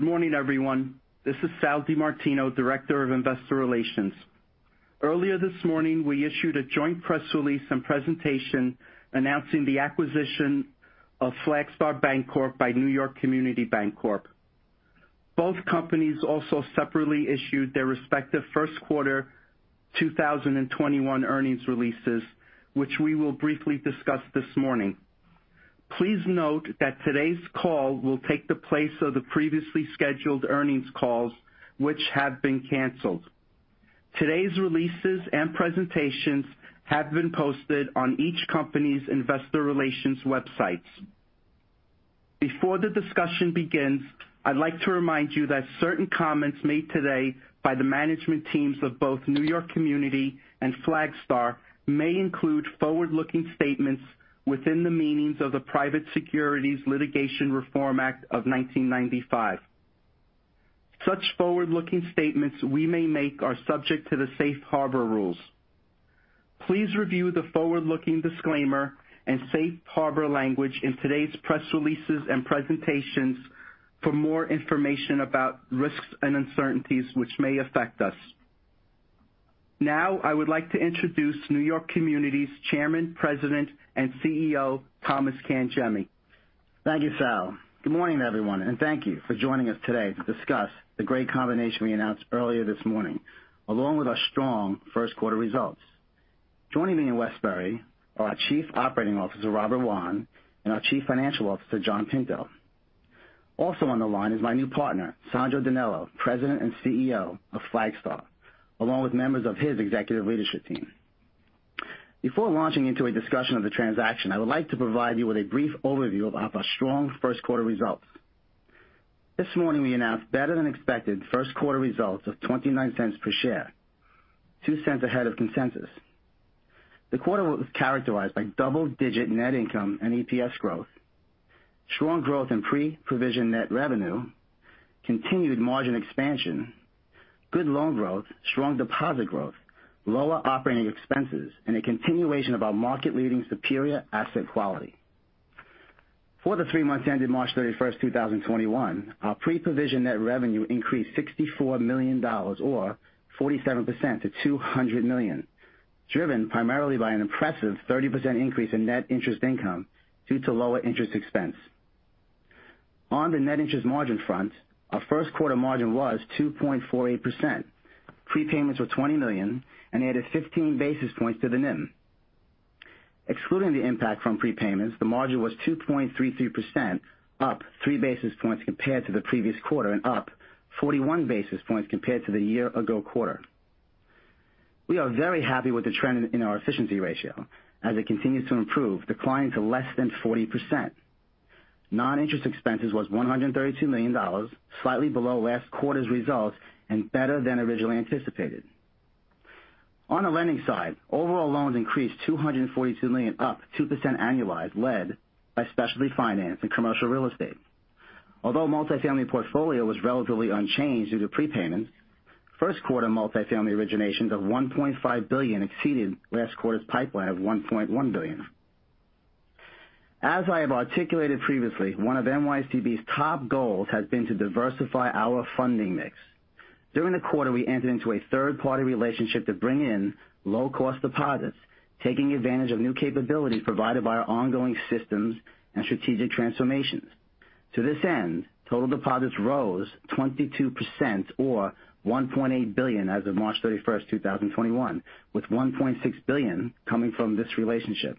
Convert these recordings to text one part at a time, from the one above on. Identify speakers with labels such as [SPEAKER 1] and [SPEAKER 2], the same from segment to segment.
[SPEAKER 1] Good morning, everyone. This is Sal DiMartino, Director of Investor Relations. Earlier this morning, we issued a joint press release and presentation announcing the acquisition of Flagstar Bancorp by New York Community Bancorp. Both companies also separately issued their respective first-quarter 2021 earnings releases, which we will briefly discuss this morning. Please note that today's call will take the place of the previously scheduled earnings calls, which have been canceled. Today's releases and presentations have been posted on each company's investor relations websites. Before the discussion begins, I'd like to remind you that certain comments made today by the management teams of both New York Community and Flagstar may include forward-looking statements within the meanings of the Private Securities Litigation Reform Act of 1995. Such forward-looking statements we may make are subject to the safe harbor rules. Please review the forward-looking disclaimer and safe harbor language in today's press releases and presentations for more information about risks and uncertainties which may affect us. Now, I would like to introduce New York Community's Chairman, President, and CEO, Thomas Cangemi.
[SPEAKER 2] Thank you, Sal. Good morning, everyone, and thank you for joining us today to discuss the great combination we announced earlier this morning, along with our strong first-quarter results. Joining me in Westbury are our Chief Operating Officer, Robert Wann, and our Chief Financial Officer, John Pinto. Also on the line is my new partner, Sandro DiNello, President and CEO of Flagstar, along with members of his executive leadership team. Before launching into a discussion of the transaction, I would like to provide you with a brief overview of our strong first-quarter results. This morning, we announced better-than-expected first-quarter results of $0.29 per share, two cents ahead of consensus. The quarter was characterized by double-digit net income and EPS growth, strong growth in pre-provision net revenue, continued margin expansion, good loan growth, strong deposit growth, lower operating expenses, and a continuation of our market-leading superior asset quality. For the three months ending March 31, 2021, our pre-provision net revenue increased $64 million, or 47%, to $200 million, driven primarily by an impressive 30% increase in net interest income due to lower interest expense. On the net interest margin front, our first-quarter margin was 2.48%. Prepayments were $20 million, and it added 15 basis points to the NIM. Excluding the impact from prepayments, the margin was 2.33%, up three basis points compared to the previous quarter, and up 41 basis points compared to the year-ago quarter. We are very happy with the trend in our efficiency ratio, as it continues to improve, declining to less than 40%. Non-interest expenses were $132 million, slightly below last quarter's results and better than originally anticipated. On the lending side, overall loans increased $242 million, up 2% annualized, led by specialty finance and commercial real estate. Although multifamily portfolio was relatively unchanged due to prepayments, first-quarter multifamily originations of $1.5 billion exceeded last quarter's pipeline of $1.1 billion. As I have articulated previously, one of NYCB's top goals has been to diversify our funding mix. During the quarter, we entered into a third-party relationship to bring in low-cost deposits, taking advantage of new capabilities provided by our ongoing systems and strategic transformations. To this end, total deposits rose 22%, or $1.8 billion, as of March 31, 2021, with $1.6 billion coming from this relationship.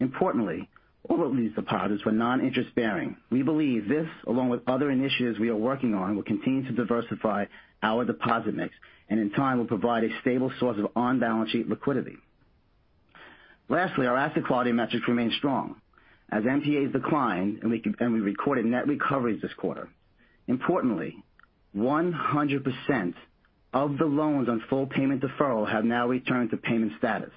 [SPEAKER 2] Importantly, all of these deposits were non-interest-bearing. We believe this, along with other initiatives we are working on, will continue to diversify our deposit mix, and in time will provide a stable source of on-balance sheet liquidity. Lastly, our asset quality metrics remain strong, as NPAs declined, and we recorded net recoveries this quarter. Importantly, 100% of the loans on full payment deferral have now returned to payment status.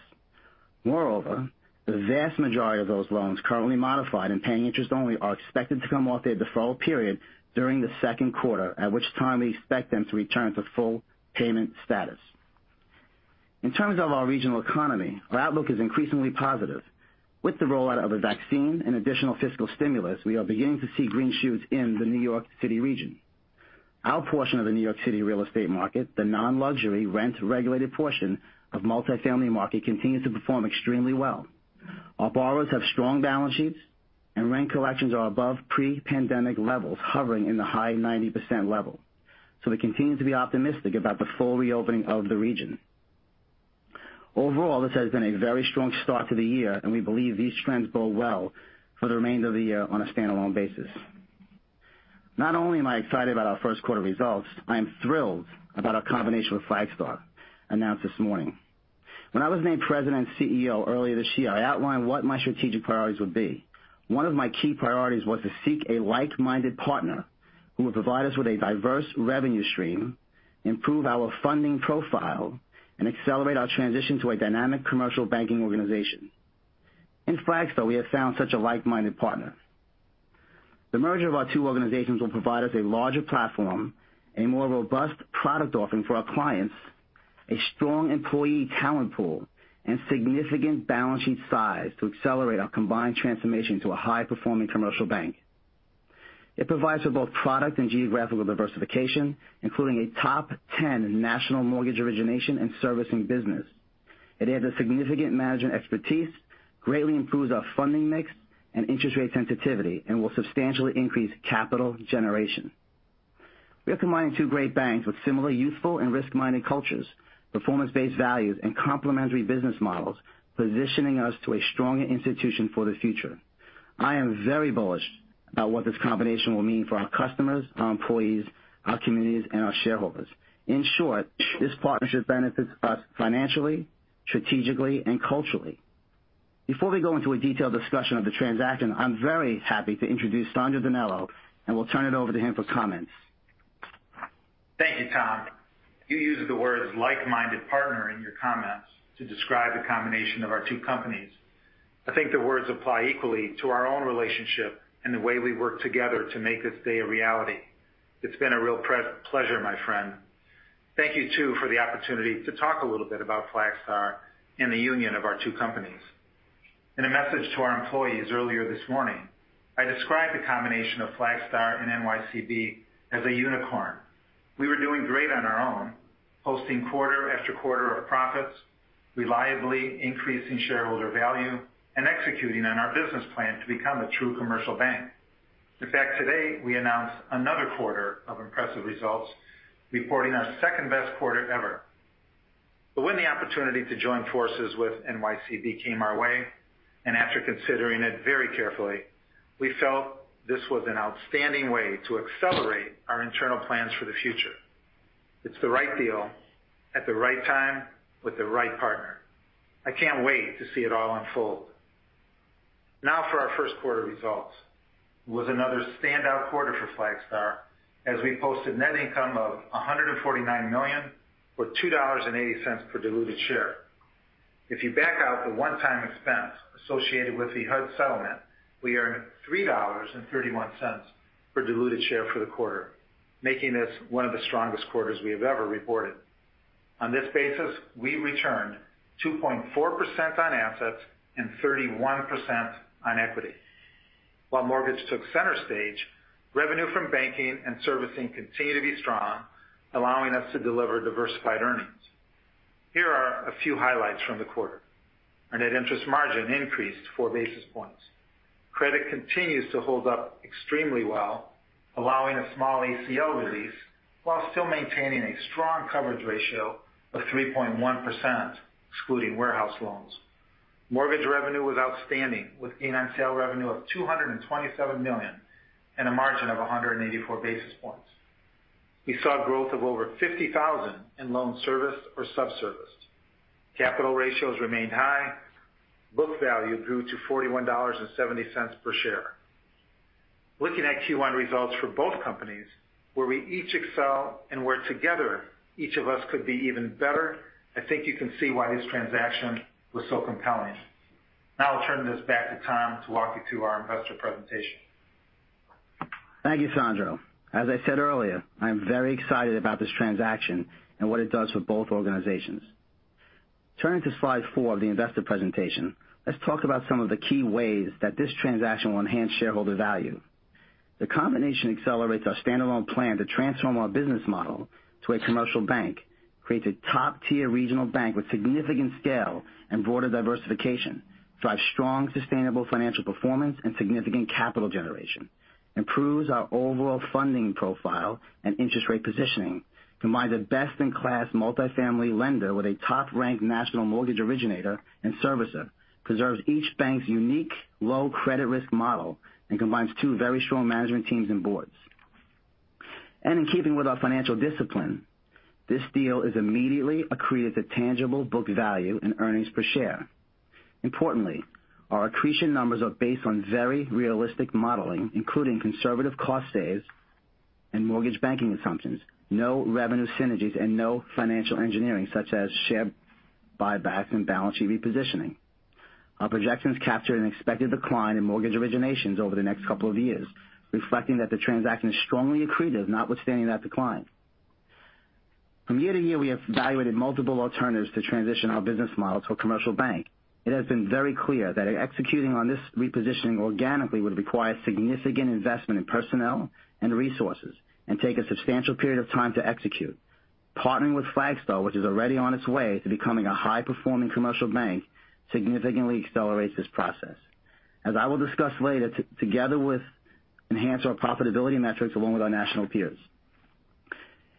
[SPEAKER 2] Moreover, the vast majority of those loans currently modified and paying interest only are expected to come off their deferral period during the second quarter, at which time we expect them to return to full payment status. In terms of our regional economy, our outlook is increasingly positive. With the rollout of a vaccine and additional fiscal stimulus, we are beginning to see green shoots in the New York City region. Our portion of the New York City real estate market, the non-luxury rent-regulated portion of the multifamily market, continues to perform extremely well. Our borrowers have strong balance sheets, and rent collections are above pre-pandemic levels, hovering in the high 90% level. So we continue to be optimistic about the full reopening of the region. Overall, this has been a very strong start to the year, and we believe these trends bode well for the remainder of the year on a standalone basis. Not only am I excited about our first-quarter results, I am thrilled about our combination with Flagstar announced this morning. When I was named President and CEO earlier this year, I outlined what my strategic priorities would be. One of my key priorities was to seek a like-minded partner who would provide us with a diverse revenue stream, improve our funding profile, and accelerate our transition to a dynamic commercial banking organization. In Flagstar, we have found such a like-minded partner. The merger of our two organizations will provide us a larger platform, a more robust product offering for our clients, a strong employee talent pool, and significant balance sheet size to accelerate our combined transformation to a high-performing commercial bank. It provides for both product and geographical diversification, including a top 10 national mortgage origination and servicing business. It has a significant management expertise, greatly improves our funding mix and interest rate sensitivity, and will substantially increase capital generation. We are combining two great banks with similarly youthful and risk-minded cultures, performance-based values, and complementary business models, positioning us to a stronger institution for the future. I am very bullish about what this combination will mean for our customers, our employees, our communities, and our shareholders. In short, this partnership benefits us financially, strategically, and culturally. Before we go into a detailed discussion of the transaction, I'm very happy to introduce Sandro DiNello, and we'll turn it over to him for comments.
[SPEAKER 3] Thank you, Tom. You used the words "like-minded partner" in your comments to describe the combination of our two companies. I think the words apply equally to our own relationship and the way we work together to make this day a reality. It's been a real pleasure, my friend. Thank you too for the opportunity to talk a little bit about Flagstar and the union of our two companies. In a message to our employees earlier this morning, I described the combination of Flagstar and NYCB as a unicorn. We were doing great on our own, posting quarter after quarter of profits, reliably increasing shareholder value, and executing on our business plan to become a true commercial bank. In fact, today we announced another quarter of impressive results, reporting our second-best quarter ever. But when the opportunity to join forces with NYCB came our way, and after considering it very carefully, we felt this was an outstanding way to accelerate our internal plans for the future. It's the right deal at the right time with the right partner. I can't wait to see it all unfold. Now for our first-quarter results. It was another standout quarter for Flagstar, as we posted net income of $149 million, or $2.80 per diluted share. If you back out the one-time expense associated with the HUD settlement, we earned $3.31 per diluted share for the quarter, making this one of the strongest quarters we have ever reported. On this basis, we returned 2.4% on assets and 31% on equity. While mortgage took center stage, revenue from banking and servicing continued to be strong, allowing us to deliver diversified earnings. Here are a few highlights from the quarter. Our net interest margin increased four basis points. Credit continues to hold up extremely well, allowing a small ACL release while still maintaining a strong coverage ratio of 3.1%, excluding warehouse loans. Mortgage revenue was outstanding, with gain on sale revenue of $227 million and a margin of 184 basis points. We saw growth of over 50,000 in loans serviced or sub-serviced. Capital ratios remained high. Book value grew to $41.70 per share. Looking at Q1 results for both companies, where we each excel and where together each of us could be even better, I think you can see why this transaction was so compelling. Now I'll turn this back to Tom to walk you through our investor presentation.
[SPEAKER 2] Thank you, Sandro. As I said earlier, I'm very excited about this transaction and what it does for both organizations. Turning to slide four of the investor presentation, let's talk about some of the key ways that this transaction will enhance shareholder value. The combination accelerates our standalone plan to transform our business model to a commercial bank, creates a top-tier regional bank with significant scale and broader diversification, drives strong, sustainable financial performance and significant capital generation, improves our overall funding profile and interest rate positioning, combines a best-in-class multifamily lender with a top-ranked national mortgage originator and servicer, preserves each bank's unique low credit risk model, and combines two very strong management teams and boards, and in keeping with our financial discipline, this deal immediately accretes a tangible book value and earnings per share. Importantly, our accretion numbers are based on very realistic modeling, including conservative cost savings and mortgage banking assumptions, no revenue synergies, and no financial engineering, such as share buybacks and balance sheet repositioning. Our projections capture an expected decline in mortgage originations over the next couple of years, reflecting that the transaction is strongly accretive, notwithstanding that decline. From year to year, we have evaluated multiple alternatives to transition our business model to a commercial bank. It has been very clear that executing on this repositioning organically would require significant investment in personnel and resources and take a substantial period of time to execute. Partnering with Flagstar, which is already on its way to becoming a high-performing commercial bank, significantly accelerates this process, as I will discuss later, together with enhancing our profitability metrics along with our national peers.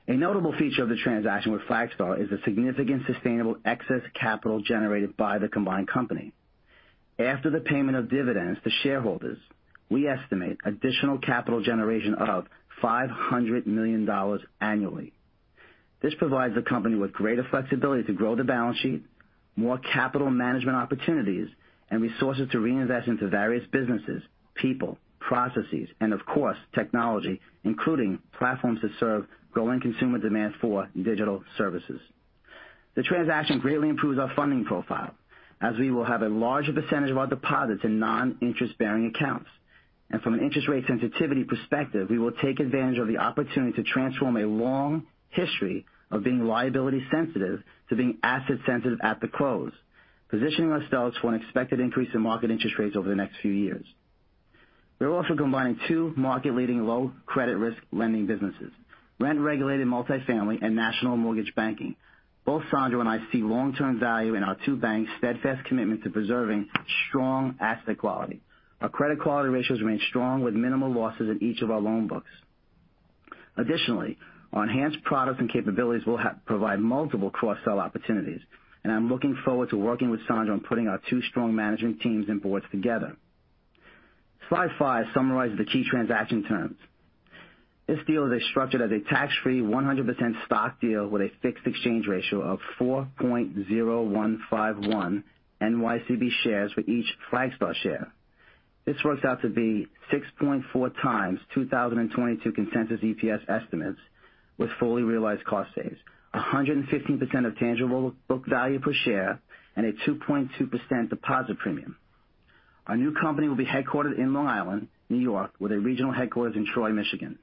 [SPEAKER 2] A notable feature of the transaction with Flagstar is the significant sustainable excess capital generated by the combined company. After the payment of dividends to shareholders, we estimate additional capital generation of $500 million annually. This provides the company with greater flexibility to grow the balance sheet, more capital management opportunities, and resources to reinvest into various businesses, people, processes, and, of course, technology, including platforms to serve growing consumer demand for digital services. The transaction greatly improves our funding profile, as we will have a larger percentage of our deposits in non-interest-bearing accounts, and from an interest rate sensitivity perspective, we will take advantage of the opportunity to transform a long history of being liability-sensitive to being asset-sensitive at the close, positioning ourselves for an expected increase in market interest rates over the next few years. We're also combining two market-leading low credit risk lending businesses: rent-regulated multifamily and national mortgage banking. Both Sandro and I see long-term value in our two banks' steadfast commitment to preserving strong asset quality. Our credit quality ratios remain strong, with minimal losses in each of our loan books. Additionally, our enhanced products and capabilities will provide multiple cross-sell opportunities, and I'm looking forward to working with Sandro on putting our two strong management teams and boards together. Slide five summarizes the key transaction terms. This deal is structured as a tax-free, 100% stock deal with a fixed exchange ratio of 4.0151 NYCB shares for each Flagstar share. This works out to be 6.4x 2022 consensus EPS estimates with fully realized cost saves, 115% of tangible book value per share, and a 2.2% deposit premium. Our new company will be headquartered in Long Island, New York, with a regional headquarters in Troy, Michigan.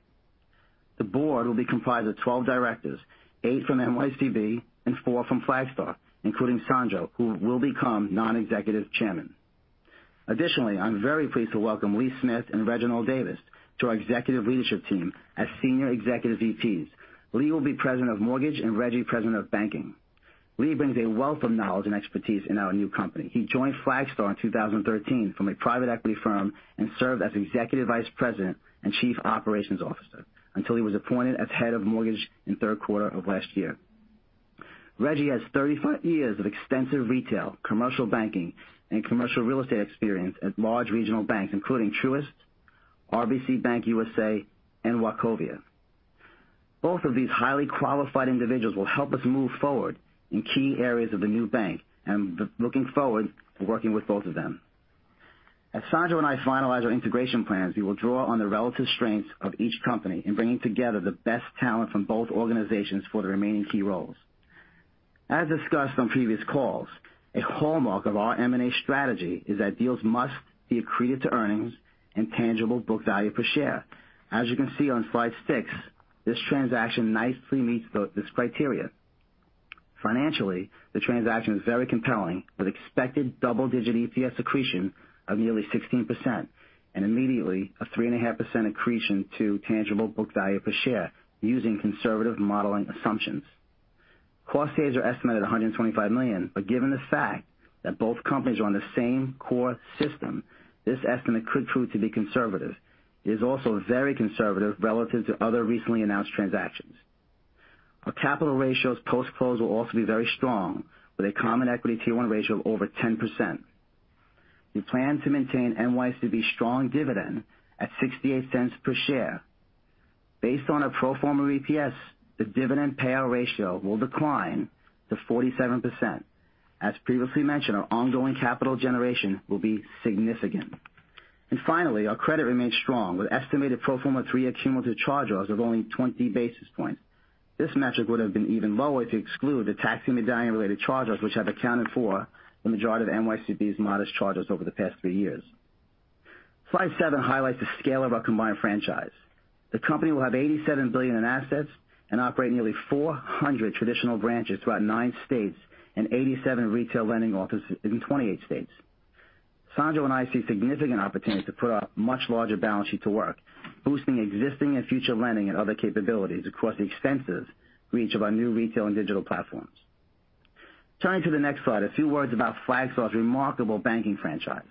[SPEAKER 2] The board will be comprised of 12 Directors, eight from NYCB and four from Flagstar, including Sandro, who will become Non-Executive Chairman. Additionally, I'm very pleased to welcome Lee Smith and Reginald Davis to our executive leadership team as senior executive VPs. Lee will be president of mortgage and Reggie president of banking. Lee brings a wealth of knowledge and expertise in our new company. He joined Flagstar in 2013 from a private equity firm and served as executive vice president and chief operating officer until he was appointed as head of mortgage in the third quarter of last year. Reggie has 35 years of extensive retail, commercial banking, and commercial real estate experience at large regional banks, including Truist, RBC Bank USA, and Wachovia. Both of these highly qualified individuals will help us move forward in key areas of the new bank, and I'm looking forward to working with both of them. As Sandro and I finalize our integration plans, we will draw on the relative strengths of each company in bringing together the best talent from both organizations for the remaining key roles. As discussed on previous calls, a hallmark of our M&A strategy is that deals must be accretive to earnings and tangible book value per share. As you can see on slide six, this transaction nicely meets this criterion. Financially, the transaction is very compelling with expected double-digit EPS accretion of nearly 16% and immediately a 3.5% accretion to tangible book value per share using conservative modeling assumptions. savings are estimated at $125 million, but given the fact that both companies are on the same core system, this estimate could prove to be conservative. It is also very conservative relative to other recently announced transactions. Our capital ratios post-close will also be very strong, with a common equity Tier 1 ratio of over 10%. We plan to maintain NYCB's strong dividend at $0.68 per share. Based on our pro forma EPS, the dividend payout ratio will decline to 47%. As previously mentioned, our ongoing capital generation will be significant. And finally, our credit remains strong with estimated pro forma three-year cumulative charge-offs of only 20 basis points. This metric would have been even lower if you exclude the taxi medallion-related charge-offs, which have accounted for the majority of NYCB's modest charge-offs over the past three years. Slide seven highlights the scale of our combined franchise. The company will have $87 billion in assets and operate nearly 400 traditional branches throughout nine states and 87 retail lending offices in 28 states. Sandro and I see significant opportunities to put our much larger balance sheet to work, boosting existing and future lending and other capabilities across the extensive reach of our new retail and digital platforms. Turning to the next slide, a few words about Flagstar's remarkable banking franchise.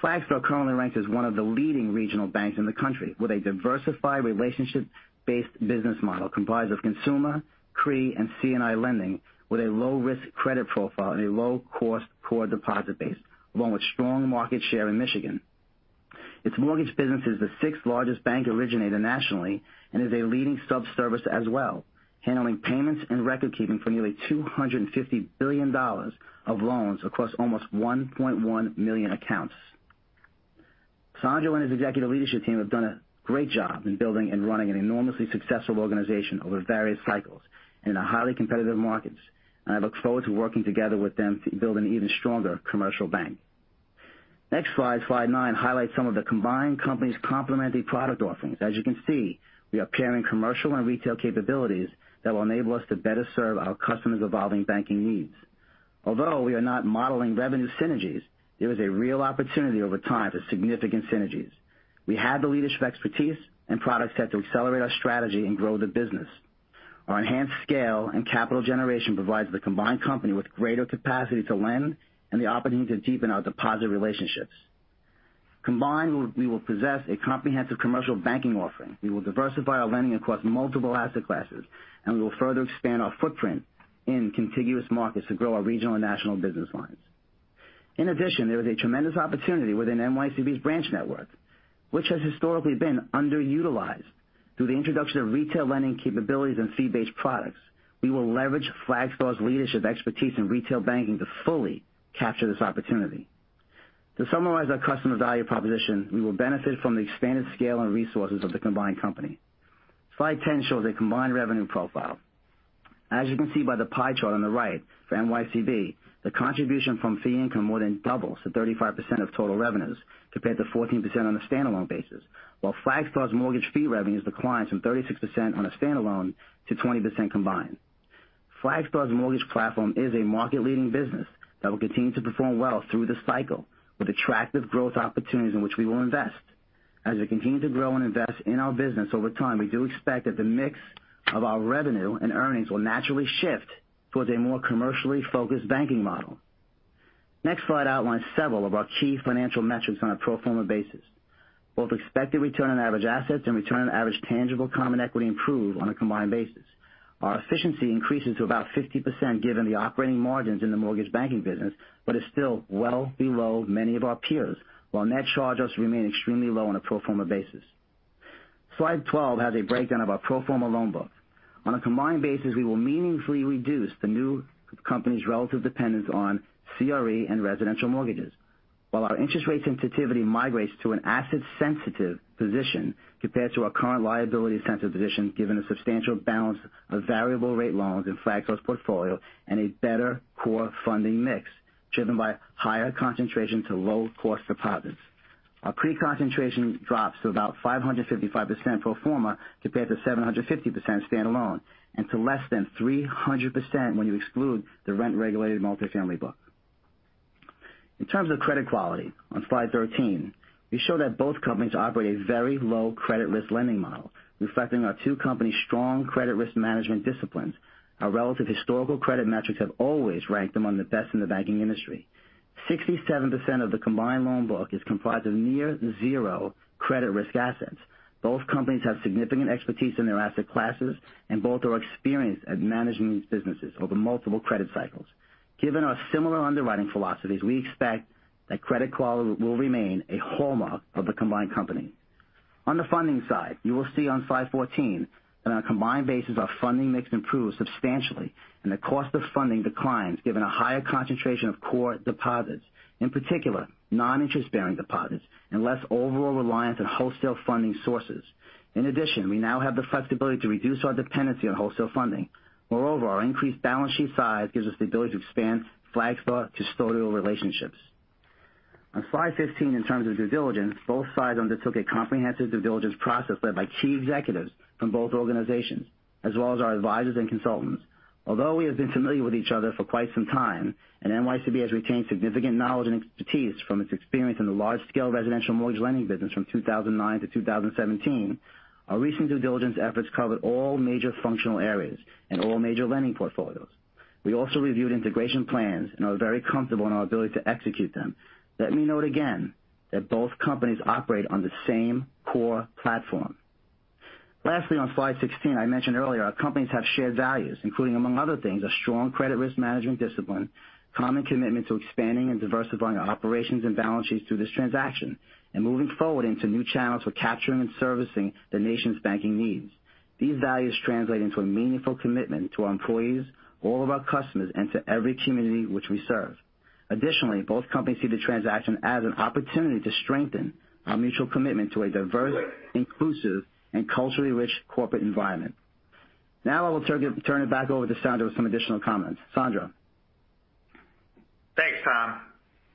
[SPEAKER 2] Flagstar currently ranks as one of the leading regional banks in the country with a diversified relationship-based business model comprised of consumer, CRE, and C&I lending, with a low-risk credit profile and a low-cost core deposit base, along with strong market share in Michigan. Its mortgage business is the sixth-largest bank originator nationally and is a leading subservicer as well, handling payments and record-keeping for nearly $250 billion of loans across almost 1.1 million accounts. Sandro and his executive leadership team have done a great job in building and running an enormously successful organization over various cycles and in highly competitive markets, and I look forward to working together with them to build an even stronger commercial bank. Next slide, slide nine, highlights some of the combined company's complementary product offerings. As you can see, we are pairing commercial and retail capabilities that will enable us to better serve our customers' evolving banking needs. Although we are not modeling revenue synergies, there is a real opportunity over time for significant synergies. We have the leadership expertise and products that will accelerate our strategy and grow the business. Our enhanced scale and capital generation provides the combined company with greater capacity to lend and the opportunity to deepen our deposit relationships. Combined, we will possess a comprehensive commercial banking offering. We will diversify our lending across multiple asset classes, and we will further expand our footprint in contiguous markets to grow our regional and national business lines. In addition, there is a tremendous opportunity within NYCB's branch network, which has historically been underutilized. Through the introduction of retail lending capabilities and fee-based products, we will leverage Flagstar's leadership expertise in retail banking to fully capture this opportunity. To summarize our customer value proposition, we will benefit from the expanded scale and resources of the combined company. Slide 10 shows a combined revenue profile. As you can see by the pie chart on the right for NYCB, the contribution from fee income more than doubles to 35% of total revenues compared to 14% on a standalone basis, while Flagstar's mortgage fee revenues decline from 36% on a standalone to 20% combined. Flagstar's mortgage platform is a market-leading business that will continue to perform well through the cycle with attractive growth opportunities in which we will invest. As we continue to grow and invest in our business over time, we do expect that the mix of our revenue and earnings will naturally shift towards a more commercially focused banking model. Next slide outlines several of our key financial metrics on a pro forma basis. Both expected return on average assets and return on average tangible common equity improve on a combined basis. Our efficiency increases to about 50% given the operating margins in the mortgage banking business, but is still well below many of our peers, while net charge-offs also remains extremely low on a pro forma basis. Slide 12 has a breakdown of our pro forma loan book. On a combined basis, we will meaningfully reduce the new company's relative dependence on CRE and residential mortgages, while our interest rate sensitivity migrates to an asset-sensitive position compared to our current liability-sensitive position given a substantial balance of variable-rate loans in Flagstar's portfolio and a better core funding mix driven by higher concentration to low-cost deposits. Our CRE concentration drops to about 555% pro forma compared to 750% standalone and to less than 300% when you exclude the rent-regulated multifamily book. In terms of credit quality, on slide 13, we show that both companies operate a very low credit risk lending model, reflecting our two companies' strong credit risk management disciplines. Our relative historical credit metrics have always ranked them among the best in the banking industry. 67% of the combined loan book is comprised of near-zero credit risk assets. Both companies have significant expertise in their asset classes, and both are experienced at managing these businesses over multiple credit cycles. Given our similar underwriting philosophies, we expect that credit quality will remain a hallmark of the combined company. On the funding side, you will see on slide 14 that on a combined basis, our funding mix improves substantially and the cost of funding declines given a higher concentration of core deposits, in particular non-interest-bearing deposits, and less overall reliance on wholesale funding sources. In addition, we now have the flexibility to reduce our dependency on wholesale funding. Moreover, our increased balance sheet size gives us the ability to expand Flagstar custodial relationships. On slide 15, in terms of due diligence, both sides undertook a comprehensive due diligence process led by key executives from both organizations, as well as our advisors and consultants. Although we have been familiar with each other for quite some time, and NYCB has retained significant knowledge and expertise from its experience in the large-scale residential mortgage lending business from 2009 to 2017, our recent due diligence efforts covered all major functional areas and all major lending portfolios. We also reviewed integration plans and are very comfortable in our ability to execute them. Let me note again that both companies operate on the same core platform. Lastly, on slide 16, I mentioned earlier our companies have shared values, including, among other things, a strong credit risk management discipline, common commitment to expanding and diversifying our operations and balance sheets through this transaction, and moving forward into new channels for capturing and servicing the nation's banking needs. These values translate into a meaningful commitment to our employees, all of our customers, and to every community which we serve. Additionally, both companies see the transaction as an opportunity to strengthen our mutual commitment to a diverse, inclusive, and culturally rich corporate environment. Now I will turn it back over to Sandro with some additional comments. Sandro.
[SPEAKER 1] Thanks, Tom.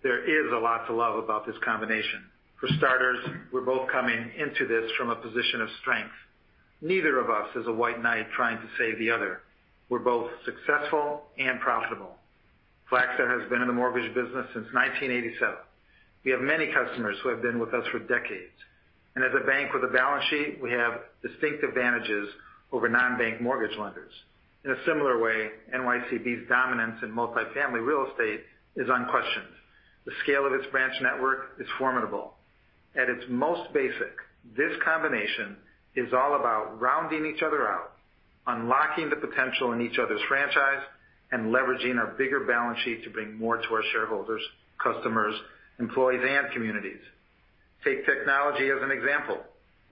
[SPEAKER 1] There is a lot to love about this combination. For starters, we're both coming into this from a position of strength. Neither of us is a white knight trying to save the other. We're both successful and profitable. Flagstar has been in the mortgage business since 1987. We have many customers who have been with us for decades, and as a bank with a balance sheet, we have distinct advantages over non-bank mortgage lenders. In a similar way, NYCB's dominance in multifamily real estate is unquestioned. The scale of its branch network is formidable. At its most basic, this combination is all about rounding each other out, unlocking the potential in each other's franchise, and leveraging our bigger balance sheet to bring more to our shareholders, customers, employees, and communities. Take technology as an example.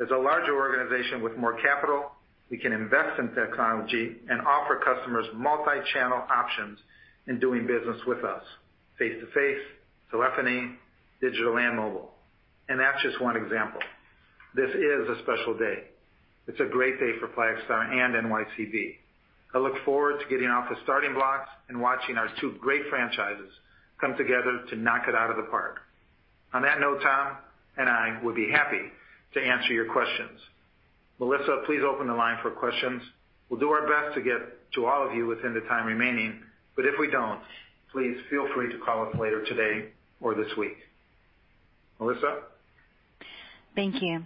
[SPEAKER 1] As a larger organization with more capital, we can invest in technology and offer customers multi-channel options in doing business with us: face-to-face, telephony, digital, and mobile. And that's just one example. This is a special day. It's a great day for Flagstar and NYCB. I look forward to getting off the starting blocks and watching our two great franchises come together to knock it out of the park. On that note, Tom and I would be happy to answer your questions. Melissa, please open the line for questions. We'll do our best to get to all of you within the time remaining, but if we don't, please feel free to call us later today or this week. Melissa?
[SPEAKER 4] Thank you.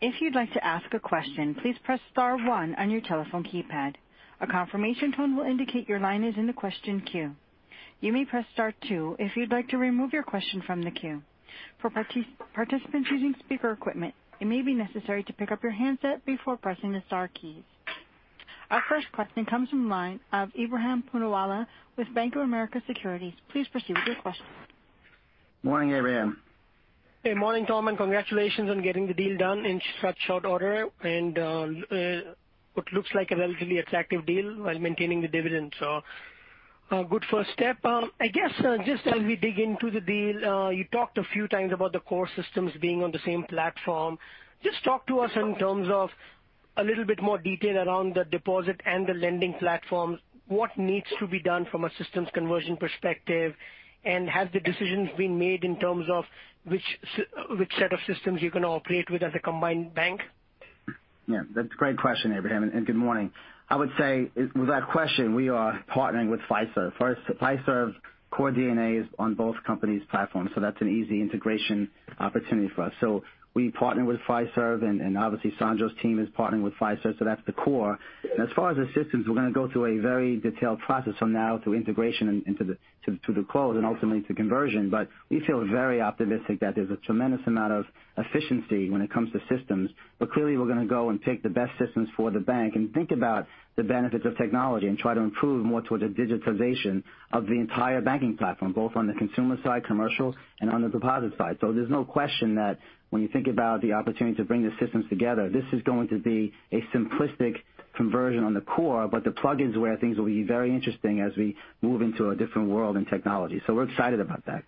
[SPEAKER 4] If you'd like to ask a question, please press star one on your telephone keypad. A confirmation tone will indicate your line is in the question queue. You may press star two if you'd like to remove your question from the queue. For participants using speaker equipment, it may be necessary to pick up your handset before pressing the star keys. Our first question comes from the line of Ebrahim Poonawala with Bank of America Securities. Please proceed with your question.
[SPEAKER 2] Morning, Ebrahim.
[SPEAKER 5] Hey, morning, Tom. And congratulations on getting the deal done in such short order. And it looks like a relatively attractive deal while maintaining the dividend. So good first step. I guess just as we dig into the deal, you talked a few times about the core systems being on the same platform. Just talk to us in terms of a little bit more detail around the deposit and the lending platform. What needs to be done from a systems conversion perspective? And have the decisions been made in terms of which set of systems you're going to operate with as a combined bank?
[SPEAKER 2] Yeah, that's a great question, Ebrahim. And good morning. I would say with that question, we are partnering with Flagstar. Flagstar's core DNA is on both companies' platforms, so that's an easy integration opportunity for us. So we partner with Flagstar, and obviously, Sandro's team is partnering with Flagstar, so that's the core. As far as the systems, we're going to go through a very detailed process from now through integration into the close, and ultimately to conversion. But we feel very optimistic that there's a tremendous amount of efficiency when it comes to systems. But clearly, we're going to go and pick the best systems for the bank and think about the benefits of technology and try to improve more towards a digitization of the entire banking platform, both on the consumer side, commercial, and on the deposit side. So there's no question that when you think about the opportunity to bring the systems together, this is going to be a simplistic conversion on the core, but the plug-ins where things will be very interesting as we move into a different world and technology. So we're excited about that.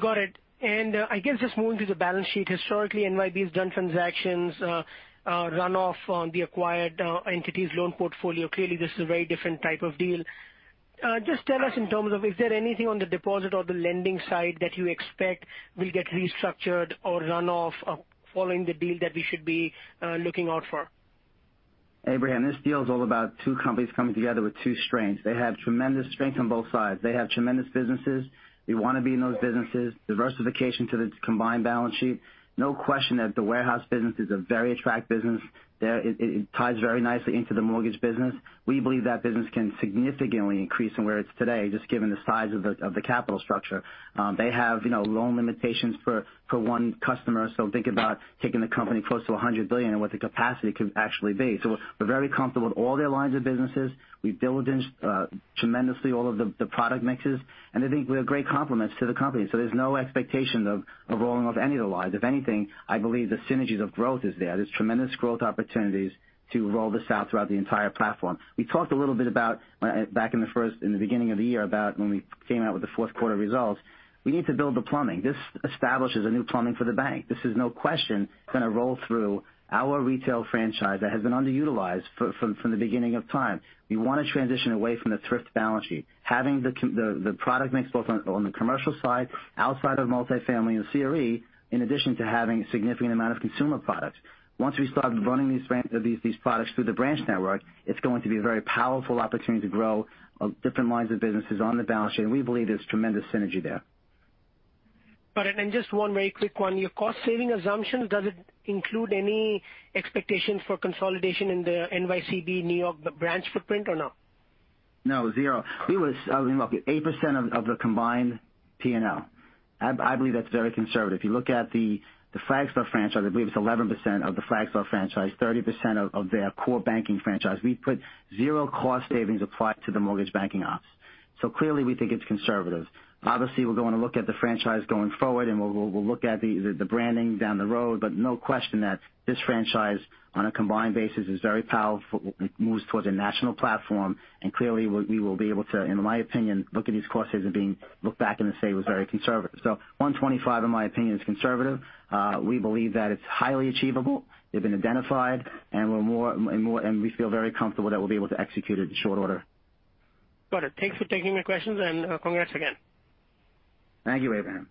[SPEAKER 2] Got it. And I guess just moving to the balance sheet, historically, NYCB has done transactions, run-off on the acquired entities' loan portfolio. Clearly, this is a very different type of deal. Just tell us in terms of is there anything on the deposit or the lending side that you expect will get restructured or run-off following the deal that we should be looking out for? Ebrahim, this deal is all about two companies coming together with two strengths. They have tremendous strengths on both sides. They have tremendous businesses. They want to be in those businesses. Diversification to the combined balance sheet. No question that the warehouse business is a very attractive business. It ties very nicely into the mortgage business. We believe that business can significantly increase from where it's today, just given the size of the capital structure. They have loan limitations for one customer, so think about taking the company close to $100 billion and what the capacity could actually be. So we're very comfortable with all their lines of businesses. We've diligenced tremendously all of the product mixes, and I think we're great complements to the company. So there's no expectation of rolling off any of the lines. If anything, I believe the synergies of growth are there. There's tremendous growth opportunities to roll this out throughout the entire platform. We talked a little bit back in the beginning of the year about when we came out with the fourth quarter results. We need to build the plumbing. This establishes a new plumbing for the bank. This is no question going to roll through our retail franchise that has been underutilized from the beginning of time. We want to transition away from the thrift balance sheet, having the product mix both on the commercial side, outside of multifamily and CRE, in addition to having a significant amount of consumer products. Once we start running these products through the branch network, it's going to be a very powerful opportunity to grow different lines of businesses on the balance sheet, and we believe there's tremendous synergy there. Got it. And just one very quick one. Your cost-saving assumption, does it include any expectations for consolidation in the NYCB New York branch footprint or no? No, zero. We were looking at 8% of the combined P&L. I believe that's very conservative. If you look at the Flagstar franchise, I believe it's 11% of the Flagstar franchise, 30% of their core banking franchise. We put zero cost savings applied to the mortgage banking ops. So clearly, we think it's conservative. Obviously, we're going to look at the franchise going forward, and we'll look at the branding down the road. But no question that this franchise, on a combined basis, is very powerful. It moves towards a national platform, and clearly, we will be able to, in my opinion, look at these cost savings being looked back and say it was very conservative. So 125, in my opinion, is conservative. We believe that it's highly achievable. They've been identified, and we feel very comfortable that we'll be able to execute it in short order. Got it. Thanks for taking my questions, and congrats again. Thank you, Ebrahim.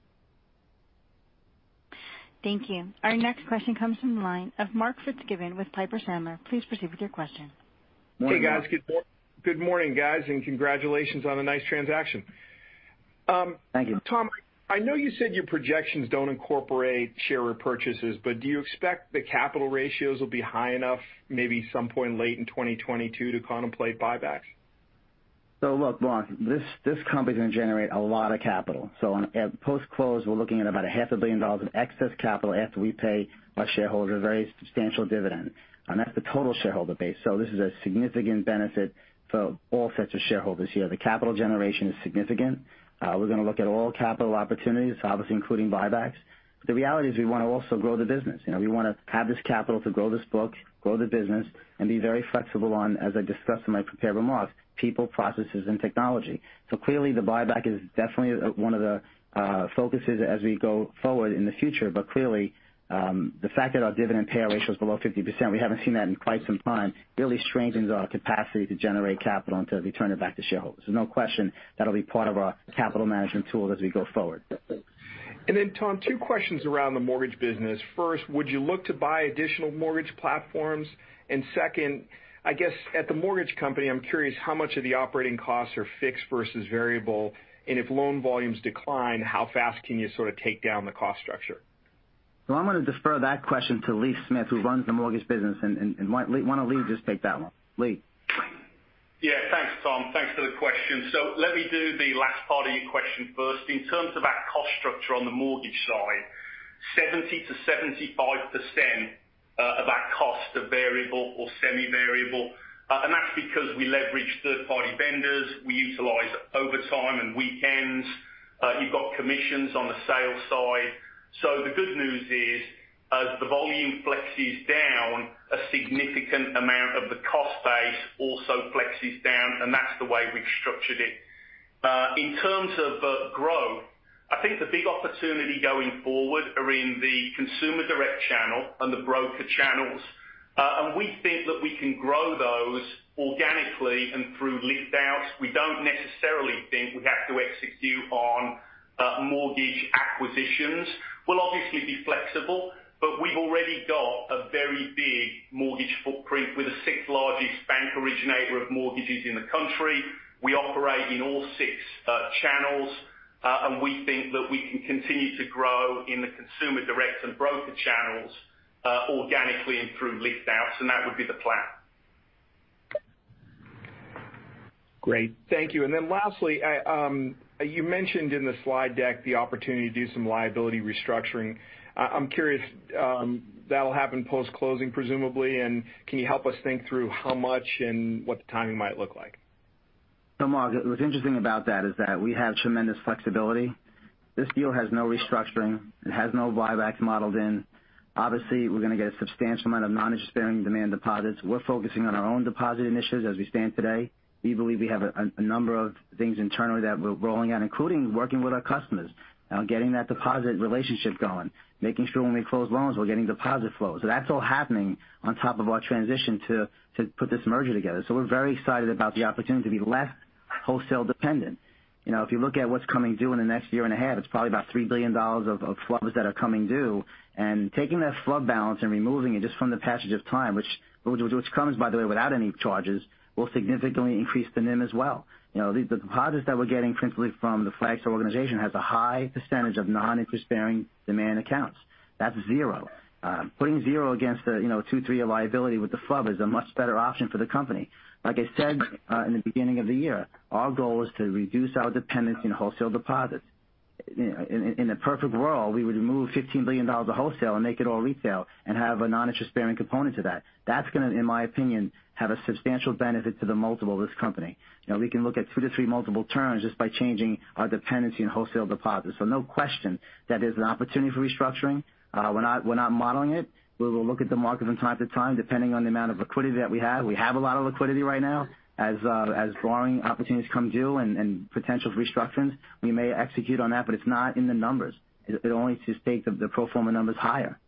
[SPEAKER 4] Thank you. Our next question comes from the line of Mark Fitzgibbon with Piper Sandler. Please proceed with your question.
[SPEAKER 6] Hey, guys. Good morning, guys, and congratulations on a nice transaction.
[SPEAKER 2] Thank you.
[SPEAKER 6] Tom, I know you said your projections don't incorporate share repurchases, but do you expect the capital ratios will be high enough, maybe some point late in 2022, to contemplate buybacks?
[SPEAKER 2] So look, boss, this company is going to generate a lot of capital. At post-close, we're looking at about $500 million in excess capital after we pay our shareholders a very substantial dividend. And that's the total shareholder base. This is a significant benefit for all sets of shareholders here. The capital generation is significant. We're going to look at all capital opportunities, obviously including buybacks. But the reality is we want to also grow the business. We want to have this capital to grow this book, grow the business, and be very flexible on, as I discussed in my prepared remarks, people, processes, and technology. Clearly, the buyback is definitely one of the focuses as we go forward in the future. But clearly, the fact that our dividend payout ratio is below 50%. We haven't seen that in quite some time, really strengthens our capacity to generate capital and to return it back to shareholders. There's no question that'll be part of our capital management tools as we go forward.
[SPEAKER 6] And then, Tom, two questions around the mortgage business. First, would you look to buy additional mortgage platforms? And second, I guess at the mortgage company, I'm curious how much of the operating costs are fixed versus variable, and if loan volumes decline, how fast can you sort of take down the cost structure?
[SPEAKER 2] So I'm going to defer that question to Lee Smith, who runs the mortgage business. And why don't Lee just take that one? Lee.
[SPEAKER 7] Yeah, thanks, Tom. Thanks for the question. So let me do the last part of your question first. In terms of our cost structure on the mortgage side, 70%-75% of our costs are variable or semi-variable. And that's because we leverage third-party vendors. We utilize overtime and weekends. You've got commissions on the sales side. So the good news is, as the volume flexes down, a significant amount of the cost base also flexes down, and that's the way we've structured it. In terms of growth, I think the big opportunity going forward are in the consumer direct channel and the broker channels. And we think that we can grow those organically and through lift-outs. We don't necessarily think we have to execute on mortgage acquisitions. We'll obviously be flexible, but we've already got a very big mortgage footprint with the sixth-largest bank originator of mortgages in the country. We operate in all six channels, and we think that we can continue to grow in the consumer direct and broker channels organically and through lift-outs, and that would be the plan.
[SPEAKER 6] Great. Thank you. And then lastly, you mentioned in the slide deck the opportunity to do some liability restructuring. I'm curious, that'll happen post-closing, presumably. And can you help us think through how much and what the timing might look like?
[SPEAKER 2] So Mark, what's interesting about that is that we have tremendous flexibility. This deal has no restructuring. It has no buyback modeled in. Obviously, we're going to get a substantial amount of non-interest-bearing demand deposits. We're focusing on our own deposit initiatives as we stand today. We believe we have a number of things internally that we're rolling out, including working with our customers, getting that deposit relationship going, making sure when we close loans, we're getting deposit flows. So that's all happening on top of our transition to put this merger together. So we're very excited about the opportunity to be less wholesale dependent. If you look at what's coming due in the next year and a half, it's probably about $3 billion of funds that are coming due. Taking that FHLB balance and removing it just from the passage of time, which comes, by the way, without any charges, will significantly increase the NIM as well. The deposits that we're getting principally from the Flagstar organization have a high percentage of non-interest-bearing demand accounts. That's zero. Putting zero against a two- or three-year liability with the FHLB is a much better option for the company. Like I said in the beginning of the year, our goal is to reduce our dependency on wholesale deposits. In a perfect world, we would remove $15 billion of wholesale and make it all retail and have a non-interest-bearing component to that. That's going to, in my opinion, have a substantial benefit to the multiple of this company. We can look at two to three multiple turns just by changing our dependency on wholesale deposits. So no question that there's an opportunity for restructuring. We're not modeling it. We will look at the market from time to time, depending on the amount of liquidity that we have. We have a lot of liquidity right now. As borrowing opportunities come due and potential for restructurings, we may execute on that, but it's not in the numbers. It only just takes the pro forma numbers higher.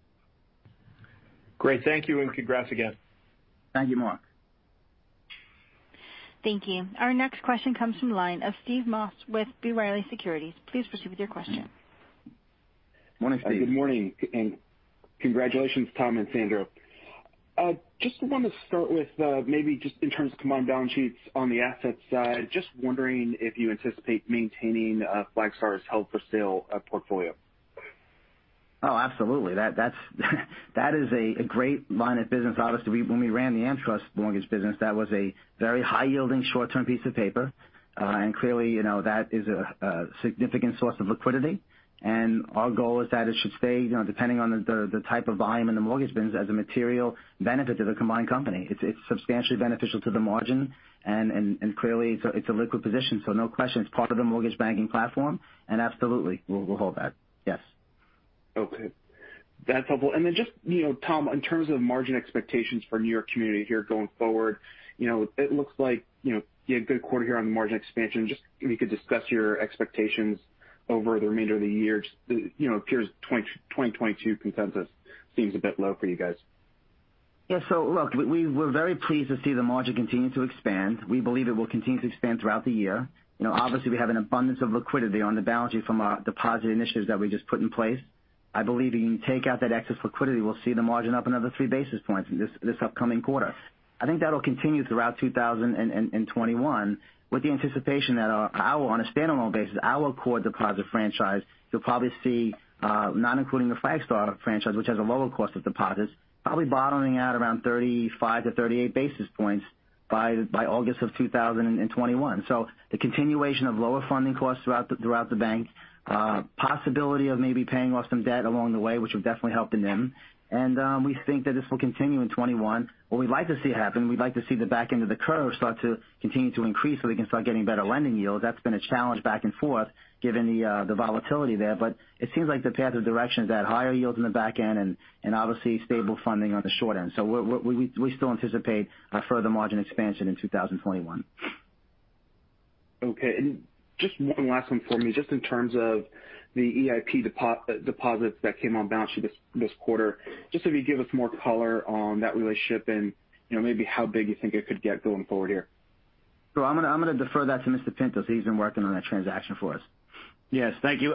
[SPEAKER 6] Great. Thank you, and congrats again.
[SPEAKER 2] Thank you, Mark.
[SPEAKER 4] Thank you. Our next question comes from the line of Steve Moss with B. Riley Securities. Please proceed with your question.
[SPEAKER 2] Morning, Steve.
[SPEAKER 8] Good morning, and congratulations, Tom and Sandro. Just want to start with maybe just in terms of combined balance sheets on the asset side, just wondering if you anticipate maintaining Flagstar's held-for-sale portfolio.
[SPEAKER 2] Oh, absolutely. That is a great line of business. Obviously, when we ran the AmTrust mortgage business, that was a very high-yielding short-term piece of paper. And clearly, that is a significant source of liquidity. And our goal is that it should stay, depending on the type of volume in the mortgage business, as a material benefit to the combined company. It's substantially beneficial to the margin, and clearly, it's a liquid position. So no question, it's part of the mortgage banking platform. And absolutely, we'll hold that. Yes.
[SPEAKER 8] Okay. That's helpful. And then just, Tom, in terms of margin expectations for New York Community here going forward, it looks like you had a good quarter here on the margin expansion. Just if you could discuss your expectations over the remainder of the year. It appears 2022 consensus seems a bit low for you guys.
[SPEAKER 2] Yeah. So look, we're very pleased to see the margin continue to expand. We believe it will continue to expand throughout the year. Obviously, we have an abundance of liquidity on the balance sheet from our deposit initiatives that we just put in place. I believe if you take out that excess liquidity, we'll see the margin up another three basis points this upcoming quarter. I think that'll continue throughout 2021 with the anticipation that on a standalone basis, our core deposit franchise, you'll probably see, not including the Flagstar franchise, which has a lower cost of deposits, probably bottoming out around 35-38 basis points by August of 2021. So the continuation of lower funding costs throughout the bank, possibility of maybe paying off some debt along the way, which will definitely help the NIM. And we think that this will continue in 2021. What we'd like to see happen, we'd like to see the back end of the curve start to continue to increase so we can start getting better lending yields. That's been a challenge back and forth given the volatility there. But it seems like the path of direction is that higher yields on the back end and obviously stable funding on the short end. So we still anticipate a further margin expansion in 2021.
[SPEAKER 8] Okay. And just one last one for me, just in terms of the EIP deposits that came on balance sheet this quarter, just so we give us more color on that relationship and maybe how big you think it could get going forward here?
[SPEAKER 2] So I'm going to defer that to Mr. Pinto. He's been working on that transaction for us. Yes. Thank you.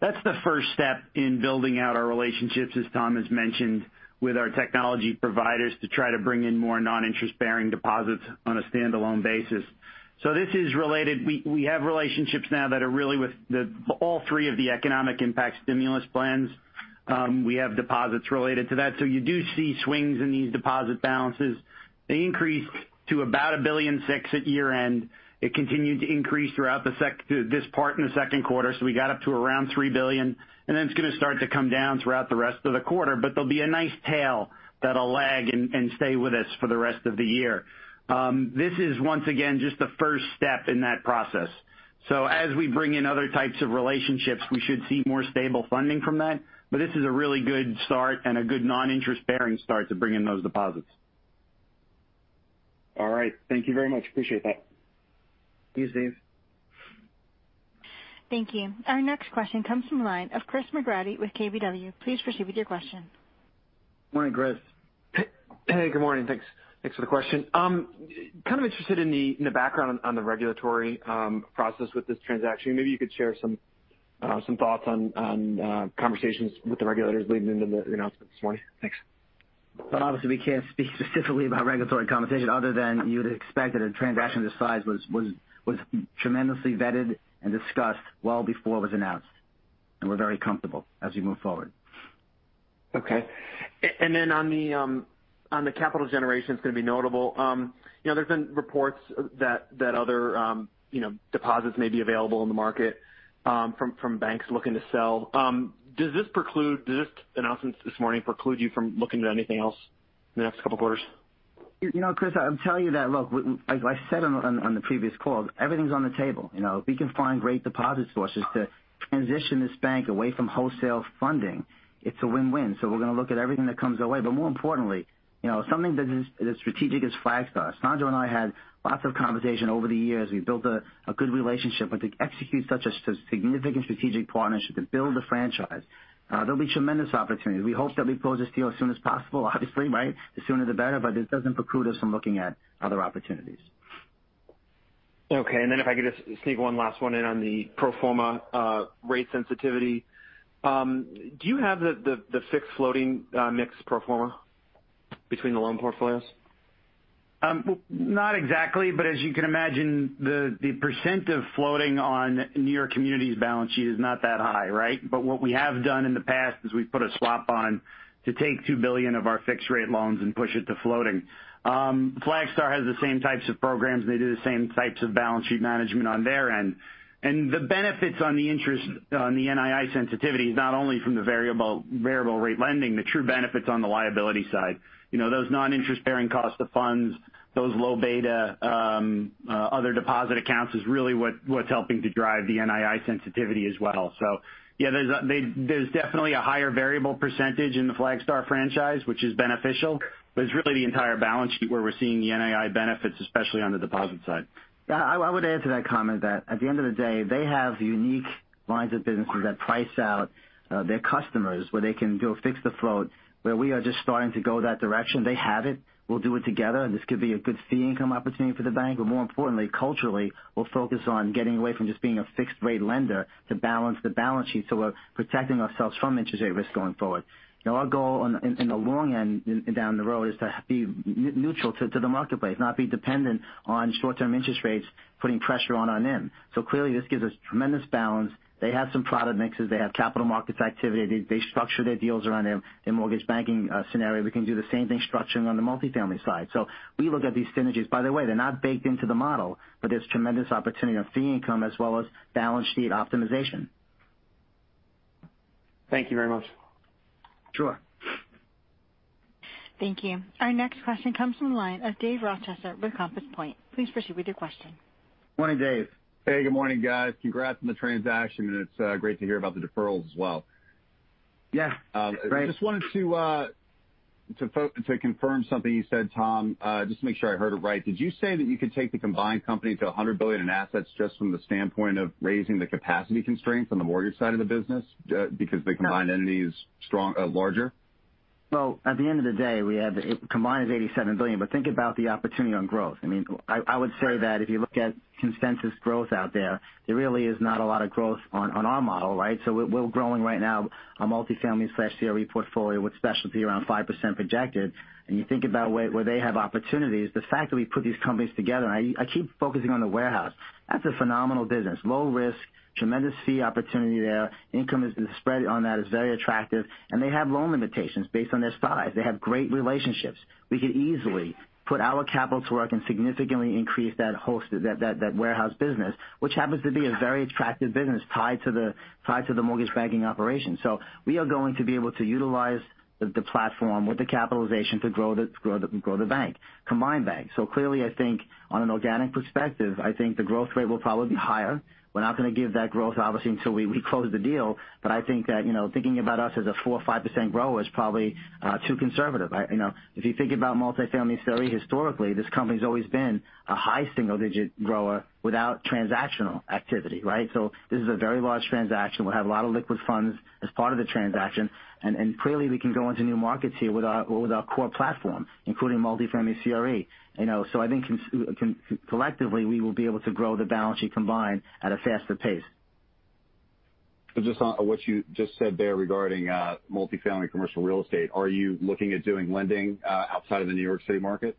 [SPEAKER 2] That's the first step in building out our relationships, as Tom has mentioned, with our technology providers to try to bring in more non-interest-bearing deposits on a standalone basis. So this is related. We have relationships now that are really with all three of the economic impact stimulus plans. We have deposits related to that. So you do see swings in these deposit balances. They increased to about $1.6 billion at year-end. It continued to increase throughout this part in the second quarter. So we got up to around $3 billion. And then it's going to start to come down throughout the rest of the quarter. But there'll be a nice tail that'll lag and stay with us for the rest of the year. This is, once again, just the first step in that process. So as we bring in other types of relationships, we should see more stable funding from that. But this is a really good start and a good non-interest-bearing start to bring in those deposits.
[SPEAKER 8] All right. Thank you very much. Appreciate that.
[SPEAKER 2] Thank you, Steve.
[SPEAKER 4] Thank you. Our next question comes from the line of Chris McGratty with KBW. Please proceed with your question.
[SPEAKER 2] Morning, Chris.
[SPEAKER 9] Hey, good morning. Thanks for the question. Kind of interested in the background on the regulatory process with this transaction. Maybe you could share some thoughts on conversations with the regulators leading into the announcement this morning? Thanks.
[SPEAKER 2] But obviously, we can't speak specifically about regulatory conversation other than you would expect that a transaction of this size was tremendously vetted and discussed well before it was announced. And we're very comfortable as we move forward.
[SPEAKER 9] Okay. And then on the capital generation, it's going to be notable. There's been reports that other deposits may be available in the market from banks looking to sell. Does this announcement this morning preclude you from looking at anything else in the next couple of quarters?
[SPEAKER 2] You know, Chris, I'll tell you that, look, I said on the previous call, everything's on the table. If we can find great deposits for us just to transition this bank away from wholesale funding, it's a win-win. So we're going to look at everything that comes our way. But more importantly, something that is as strategic as Flagstar. Sandro and I had lots of conversation over the years. We built a good relationship. But to execute such a significant strategic partnership to build a franchise, there'll be tremendous opportunities. We hope that we close this deal as soon as possible, obviously, right? The sooner, the better. But it doesn't preclude us from looking at other opportunities.
[SPEAKER 9] Okay. And then if I could just sneak one last one in on the pro forma rate sensitivity. Do you have the fixed floating mix pro forma between the loan portfolios?
[SPEAKER 2] Not exactly. But as you can imagine, the percent of floating on New York Community's balance sheet is not that high, right? But what we have done in the past is we've put a swap on to take $2 billion of our fixed-rate loans and push it to floating. Flagstar has the same types of programs, and they do the same types of balance sheet management on their end. And the benefits on the interest, on the NII sensitivities, not only from the variable-rate lending, the true benefits on the liability side. Those non-interest-bearing costs of funds, those low-beta other deposit accounts is really what's helping to drive the NII sensitivity as well. So yeah, there's definitely a higher variable percentage in the Flagstar franchise, which is beneficial. But it's really the entire balance sheet where we're seeing the NII benefits, especially on the deposit side. Yeah. I would add to that comment that at the end of the day, they have unique lines of businesses that price out their customers where they can do a fixed-to-float, where we are just starting to go that direction. They have it. We'll do it together. This could be a good fee-income opportunity for the bank. But more importantly, culturally, we'll focus on getting away from just being a fixed-rate lender to balance the balance sheet so we're protecting ourselves from interest-rate risk going forward. Our goal in the long end down the road is to be neutral to the marketplace, not be dependent on short-term interest rates putting pressure on our NIM. So clearly, this gives us tremendous balance. They have some product mixes. They have capital markets activity. They structure their deals around their mortgage banking scenario. We can do the same thing structuring on the multifamily side. So we look at these synergies. By the way, they're not baked into the model, but there's tremendous opportunity on fee income as well as balance sheet optimization. Thank you very much. Sure.
[SPEAKER 3] Thank you. Our next question comes from the line of David Rochester with Compass Point. Please proceed with your question.
[SPEAKER 2] Morning, Dave.
[SPEAKER 10] Hey, good morning, guys. Congrats on the transaction, and it's great to hear about the deferrals as well.
[SPEAKER 2] Yeah. Great.
[SPEAKER 10] I just wanted to confirm something you said, Tom, just to make sure I heard it right. Did you say that you could take the combined company to $100 billion in assets just from the standpoint of raising the capacity constraints on the mortgage side of the business because the combined entity is larger?
[SPEAKER 2] At the end of the day, we have a combined of $87 billion. But think about the opportunity on growth. I mean, I would say that if you look at consensus growth out there, there really is not a lot of growth on our model, right? So we're growing right now a multifamily/CRE portfolio with specialty around 5% projected. And you think about where they have opportunities, the fact that we put these companies together, and I keep focusing on the warehouse, that's a phenomenal business. Low risk, tremendous fee opportunity there. Income is spread on that is very attractive. And they have loan limitations based on their size. They have great relationships. We could easily put our capital to work and significantly increase that warehouse business, which happens to be a very attractive business tied to the mortgage banking operation. We are going to be able to utilize the platform with the capitalization to grow the combined bank. Clearly, I think on an organic perspective, I think the growth rate will probably be higher. We're not going to give that growth, obviously, until we close the deal. But I think that thinking about us as a 4%-5% grower is probably too conservative. If you think about multifamily CRE historically, this company has always been a high single-digit grower without transactional activity, right? This is a very large transaction. We'll have a lot of liquid funds as part of the transaction. And clearly, we can go into new markets here with our core platform, including multifamily CRE. I think collectively, we will be able to grow the balance sheet combined at a faster pace.
[SPEAKER 10] Just on what you just said there regarding multifamily commercial real estate, are you looking at doing lending outside of the New York City market?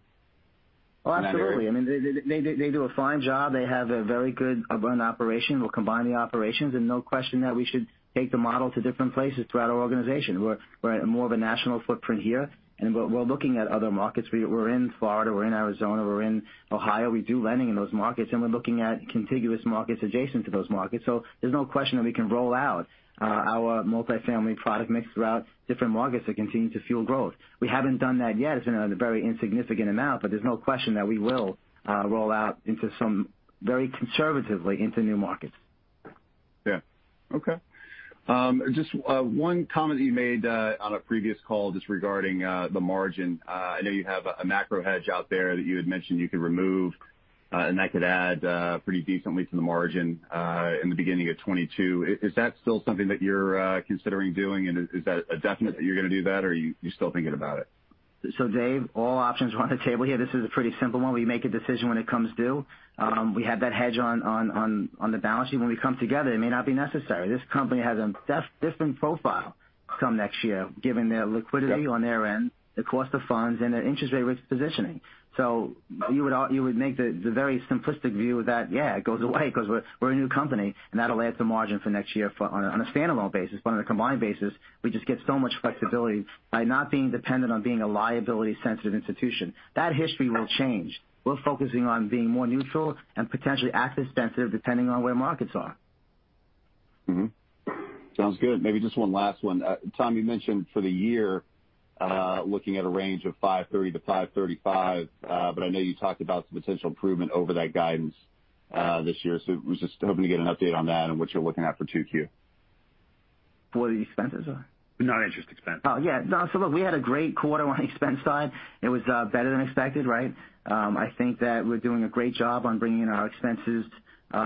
[SPEAKER 2] Well, absolutely. I mean, they do a fine job. They have a very good run operation. We'll combine the operations. And no question that we should take the model to different places throughout our organization. We're at more of a national footprint here. And we're looking at other markets. We're in Florida. We're in Arizona. We're in Ohio. We do lending in those markets. And we're looking at contiguous markets adjacent to those markets. So there's no question that we can roll out our multifamily product mix throughout different markets that continue to fuel growth. We haven't done that yet. It's been a very insignificant amount. But there's no question that we will roll out very conservatively into new markets.
[SPEAKER 10] Yeah. Okay. Just one comment that you made on a previous call just regarding the margin. I know you have a macro hedge out there that you had mentioned you could remove, and that could add pretty decently to the margin in the beginning of 2022. Is that still something that you're considering doing? And is that a definite that you're going to do that, or are you still thinking about it?
[SPEAKER 2] So, Dave, all options are on the table here. This is a pretty simple one. We make a decision when it comes due. We have that hedge on the balance sheet. When we come together, it may not be necessary. This company has a different profile come next year given their liquidity on their end, the cost of funds, and their interest-rate risk positioning. You would make the very simplistic view that, yeah, it goes away because we're a new company. And that'll add to margin for next year on a standalone basis. But on a combined basis, we just get so much flexibility by not being dependent on being a liability-sensitive institution. That history will change. We're focusing on being more neutral and potentially asset-sensitive depending on where markets are.
[SPEAKER 10] Sounds good. Maybe just one last one. Tom, you mentioned for the year, looking at a range of 530 to 535. But I know you talked about some potential improvement over that guidance this year. So we're just hoping to get an update on that and what you're looking at for 2Q.
[SPEAKER 2] What are the expenses?
[SPEAKER 10] Non-interest expenses.
[SPEAKER 2] Oh, yeah. No. So look, we had a great quarter on the expense side. It was better than expected, right? I think that we're doing a great job on bringing in our expenses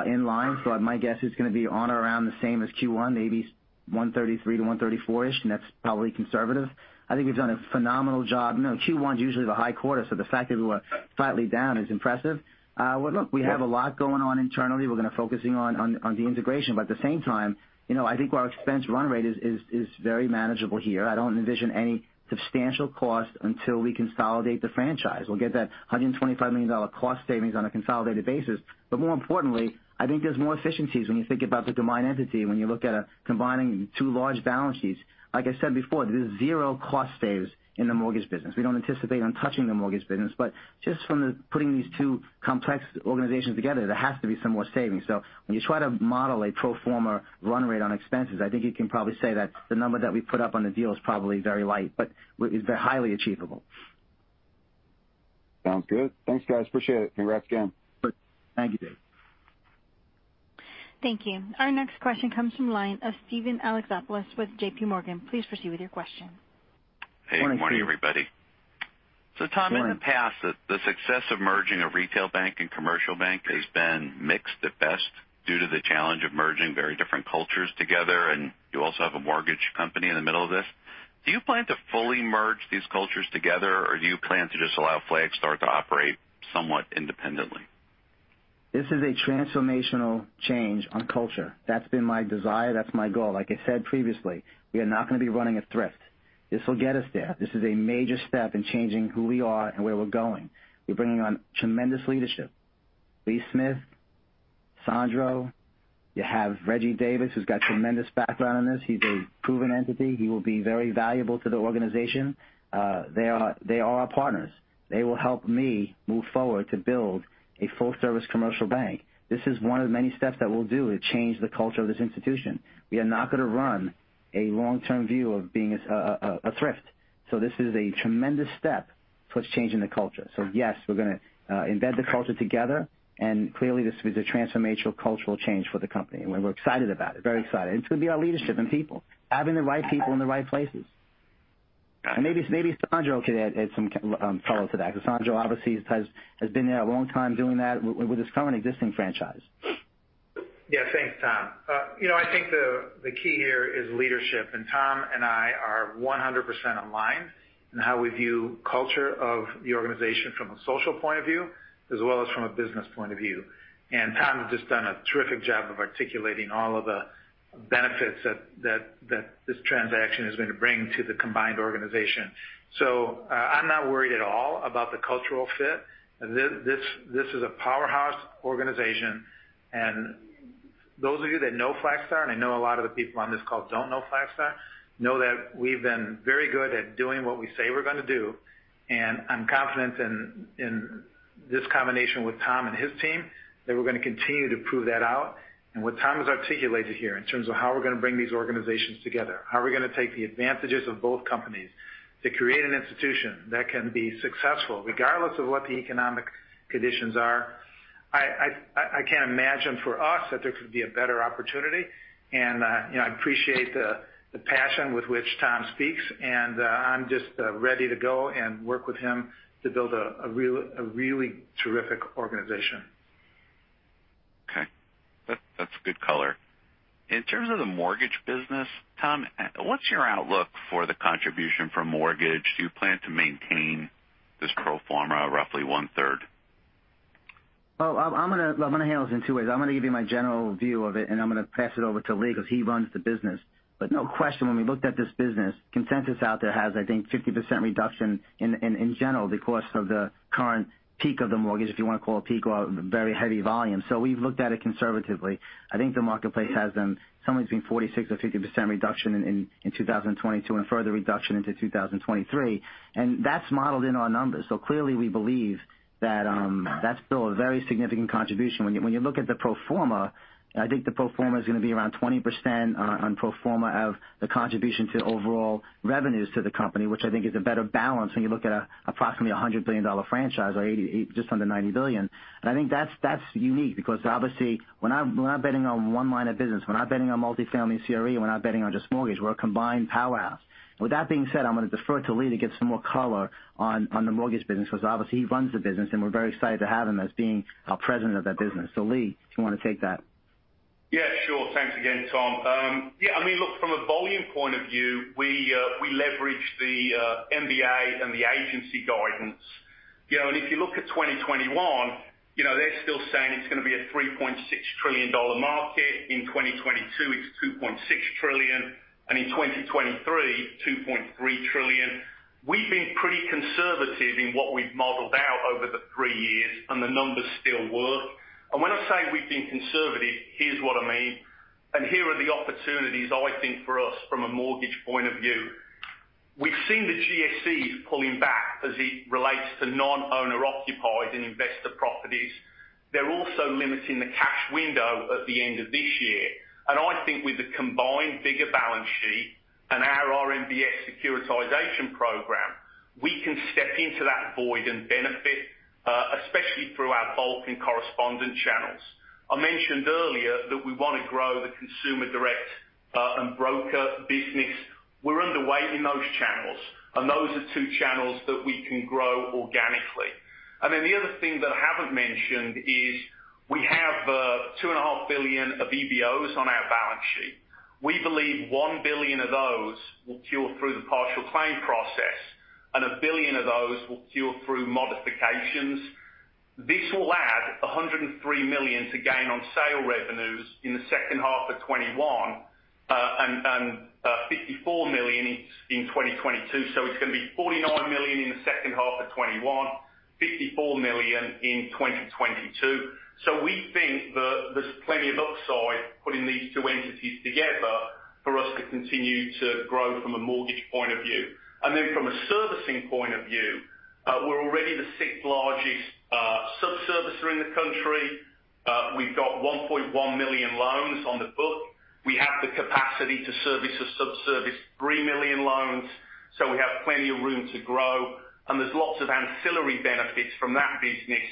[SPEAKER 2] in line. So my guess is going to be on or around the same as Q1, maybe 133-134-ish. And that's probably conservative. I think we've done a phenomenal job. Q1 is usually the high quarter. So the fact that we were slightly down is impressive. Well, look, we have a lot going on internally. We're going to focus on the integration. But at the same time, I think our expense run rate is very manageable here. I don't envision any substantial cost until we consolidate the franchise. We'll get that $125 million cost savings on a consolidated basis. But more importantly, I think there's more efficiencies when you think about the combined entity and when you look at combining two large balance sheets. Like I said before, there's zero cost savings in the mortgage business. We don't anticipate on touching the mortgage business. But just from putting these two complex organizations together, there has to be some more savings. So when you try to model a pro forma run rate on expenses, I think you can probably say that the number that we put up on the deal is probably very light, but it's very highly achievable.
[SPEAKER 10] Sounds good. Thanks, guys. Appreciate it. Congrats again.
[SPEAKER 2] Thank you, Dave.
[SPEAKER 4] Thank you. Our next question comes from the line of Steven Alexopoulos with JPMorgan. Please proceed with your question.
[SPEAKER 7] Hey, good morning, everybody.
[SPEAKER 11] Good morning. So Tom, in the past, the success of merging a retail bank and commercial bank has been mixed at best due to the challenge of merging very different cultures together. And you also have a mortgage company in the middle of this. Do you plan to fully merge these cultures together, or do you plan to just allow Flagstar to operate somewhat independently?
[SPEAKER 2] This is a transformational change on culture. That's been my desire. That's my goal. Like I said previously, we are not going to be running a thrift. This will get us there. This is a major step in changing who we are and where we're going. We're bringing on tremendous leadership. Lee Smith, Sandro, you have Reggie Davis, who's got tremendous background in this. He's a proven entity. He will be very valuable to the organization. They are our partners. They will help me move forward to build a full-service commercial bank. This is one of the many steps that we'll do to change the culture of this institution. We are not going to run a long-term view of being a thrift. So this is a tremendous step towards changing the culture. So yes, we're going to embed the culture together. And clearly, this is a transformational cultural change for the company. And we're excited about it, very excited. And it's going to be our leadership and people, having the right people in the right places. And maybe Sandro could add some color to that because Sandro obviously has been there a long time doing that with his current existing franchise.
[SPEAKER 11] Yeah. Thanks, Tom. I think the key here is leadership, and Tom and I are 100% aligned in how we view the culture of the organization from a social point of view as well as from a business point of view, and Tom has just done a terrific job of articulating all of the benefits that this transaction is going to bring to the combined organization, so I'm not worried at all about the cultural fit. This is a powerhouse organization, and those of you that know Flagstar, and I know a lot of the people on this call don't know Flagstar, know that we've been very good at doing what we say we're going to do, and I'm confident in this combination with Tom and his team that we're going to continue to prove that out.
[SPEAKER 7] And what Tom has articulated here in terms of how we're going to bring these organizations together, how we're going to take the advantages of both companies to create an institution that can be successful regardless of what the economic conditions are, I can't imagine for us that there could be a better opportunity. And I appreciate the passion with which Tom speaks. And I'm just ready to go and work with him to build a really terrific organization.
[SPEAKER 11] Okay. That's good color. In terms of the mortgage business, Tom, what's your outlook for the contribution for mortgage? Do you plan to maintain this pro forma, roughly one-third?
[SPEAKER 2] I'm going to handle this in two ways. I'm going to give you my general view of it, and I'm going to pass it over to Lee because he runs the business. But no question, when we looked at this business, consensus out there has, I think, 50% reduction in general because of the current peak of the mortgage, if you want to call it peak or very heavy volume. So we've looked at it conservatively. I think the marketplace has done somewhere between 46% and 50% reduction in 2022 and a further reduction into 2023. And that's modeled in our numbers. So clearly, we believe that that's still a very significant contribution. When you look at the pro forma, I think the pro forma is going to be around 20% on pro forma of the contribution to overall revenues to the company, which I think is a better balance when you look at an approximately $100 billion franchise or just under $90 billion. And I think that's unique because, obviously, when I'm betting on one line of business, when I'm betting on multifamily CRE, when I'm betting on just mortgage, we're a combined powerhouse. With that being said, I'm going to defer to Lee to get some more color on the mortgage business because, obviously, he runs the business, and we're very excited to have him as being our president of that business. So Lee, if you want to take that.
[SPEAKER 7] Yeah. Sure. Thanks again, Tom. Yeah. I mean, look, from a volume point of view, we leverage the MBA and the agency guidance, and if you look at 2021, they're still saying it's going to be a $3.6 trillion market. In 2022, it's $2.6 trillion. And in 2023, $2.3 trillion. We've been pretty conservative in what we've modeled out over the three years, and the numbers still work, and when I say we've been conservative, here's what I mean, and here are the opportunities, I think, for us from a mortgage point of view. We've seen the GSEs pulling back as it relates to non-owner-occupied and investor properties. They're also limiting the cash window at the end of this year, and I think with the combined bigger balance sheet and our RMBS securitization program, we can step into that void and benefit, especially through our bulk and correspondent channels. I mentioned earlier that we want to grow the consumer direct and broker business. We're underway in those channels. And those are two channels that we can grow organically. And then the other thing that I haven't mentioned is we have $2.5 billion of EBOs on our balance sheet. We believe $1 billion of those will cure through the partial claim process, and $1 billion of those will cure through modifications. This will add $103 million to gain on sale revenues in the second half of 2021 and $54 million in 2022. So it's going to be $49 million in the second half of 2021, $54 million in 2022. So we think there's plenty of upside putting these two entities together for us to continue to grow from a mortgage point of view. And then from a servicing point of view, we're already the sixth largest sub-servicer in the country. We've got 1.1 million loans on the book. We have the capacity to service or sub-service 3 million loans. So we have plenty of room to grow, and there's lots of ancillary benefits from that business,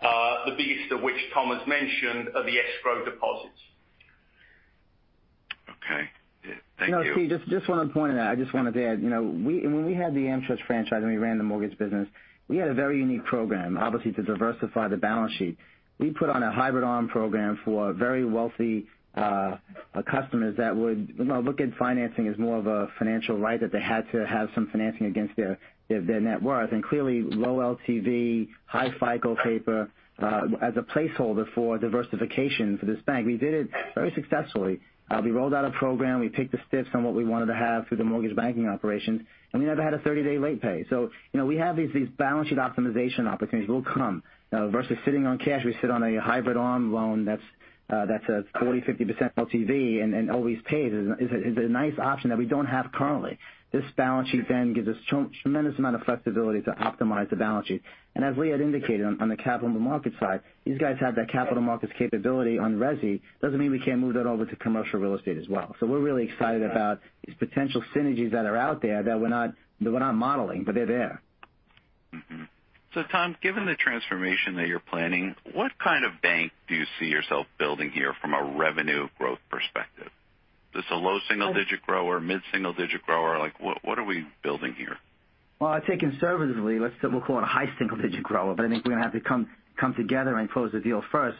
[SPEAKER 7] the biggest of which Tom has mentioned are the escrow deposits.
[SPEAKER 11] Okay. Thank you.
[SPEAKER 2] No, Steve, just one point on that. I just wanted to add, when we had the AmTrust franchise and we ran the mortgage business, we had a very unique program, obviously, to diversify the balance sheet. We put on a Hybrid ARM program for very wealthy customers that would look at financing as more of a financial right that they had to have some financing against their net worth. And clearly, low LTV, high FICO paper as a placeholder for diversification for this bank. We did it very successfully. We rolled out a program. We picked the stips on what we wanted to have through the mortgage banking operations. And we never had a 30-day late pay. So we have these balance sheet optimization opportunities. We'll come. Versus sitting on cash, we sit on a Hybrid ARM loan that's a 40%-50% LTV and always paid. It's a nice option that we don't have currently. This balance sheet then gives us a tremendous amount of flexibility to optimize the balance sheet. And as Lee had indicated on the capital market side, these guys have that capital markets capability on resi. Doesn't mean we can't move that over to commercial real estate as well. So we're really excited about these potential synergies that are out there that we're not modeling, but they're there.
[SPEAKER 11] So Tom, given the transformation that you're planning, what kind of bank do you see yourself building here from a revenue growth perspective? Is this a low single-digit grower, mid-single-digit grower? What are we building here?
[SPEAKER 2] I'd say conservatively, we'll call it a high single-digit grower. But I think we're going to have to come together and close the deal first.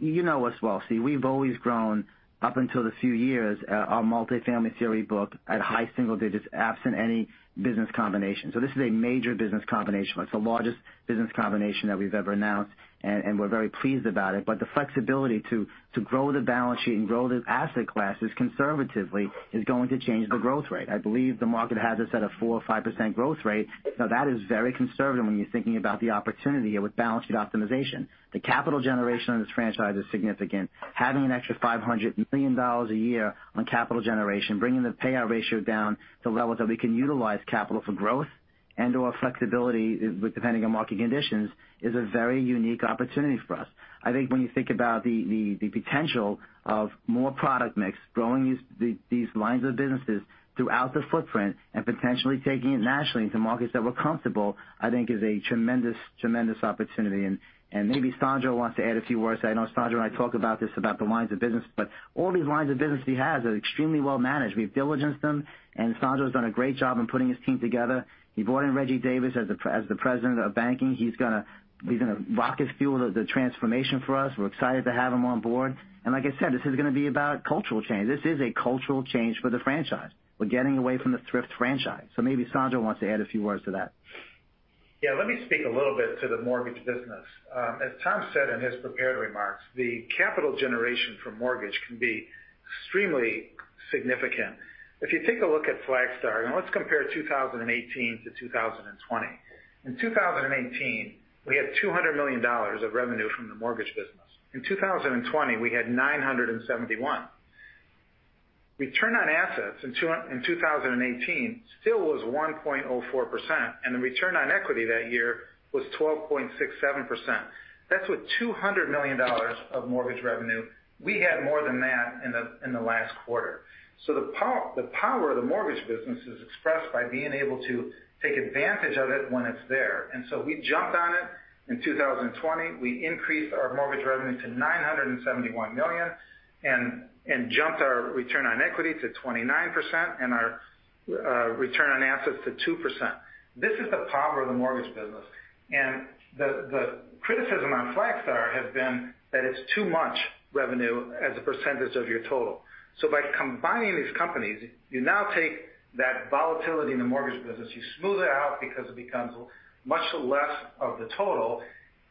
[SPEAKER 2] You know us well, Steve. We've always grown up until the last few years, our multifamily portfolio, at high single digits, absent any business combination. So this is a major business combination. It's the largest business combination that we've ever announced. And we're very pleased about it. But the flexibility to grow the balance sheet and grow the asset classes conservatively is going to change the growth rate. I believe the market has set a 4% or 5% growth rate. Now, that is very conservative when you're thinking about the opportunity here with balance sheet optimization. The capital generation on this franchise is significant. Having an extra $500 million a year on capital generation, bringing the payout ratio down to levels that we can utilize capital for growth and/or flexibility depending on market conditions, is a very unique opportunity for us. I think when you think about the potential of more product mix, growing these lines of businesses throughout the footprint and potentially taking it nationally into markets that we're comfortable, I think is a tremendous, tremendous opportunity. Maybe Sandro wants to add a few words. I know Sandro and I talk about this, about the lines of business. But all these lines of business he has are extremely well-managed. We've diligenced them. And Sandro has done a great job in putting his team together. He brought in Reggie Davis as the President of Banking. He's going to rocket fuel the transformation for us. We're excited to have him on board. And like I said, this is going to be about cultural change. This is a cultural change for the franchise. We're getting away from the thrift franchise. So maybe Sandro wants to add a few words to that.
[SPEAKER 3] Yeah. Let me speak a little bit to the mortgage business. As Tom said in his prepared remarks, the capital generation for mortgage can be extremely significant. If you take a look at Flagstar, and let's compare 2018 to 2020. In 2018, we had $200 million of revenue from the mortgage business. In 2020, we had $971 million. Return on assets in 2018 still was 1.04%. And the return on equity that year was 12.67%. That's with $200 million of mortgage revenue. We had more than that in the last quarter. So the power of the mortgage business is expressed by being able to take advantage of it when it's there. And so we jumped on it. In 2020, we increased our mortgage revenue to $971 million and jumped our return on equity to 29% and our return on assets to 2%. This is the power of the mortgage business. And the criticism on Flagstar has been that it's too much revenue as a percentage of your total. So by combining these companies, you now take that volatility in the mortgage business, you smooth it out because it becomes much less of the total,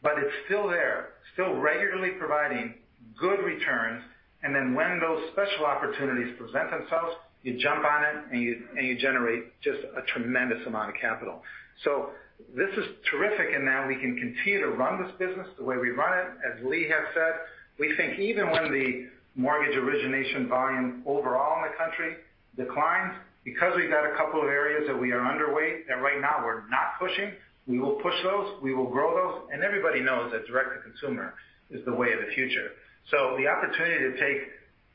[SPEAKER 3] but it's still there, still regularly providing good returns. And then when those special opportunities present themselves, you jump on it, and you generate just a tremendous amount of capital. So this is terrific. And now we can continue to run this business the way we run it. As Lee has said, we think even when the mortgage origination volume overall in the country declines, because we've got a couple of areas that we are underweight that right now we're not pushing, we will push those, we will grow those. And everybody knows that direct-to-consumer is the way of the future. So the opportunity to take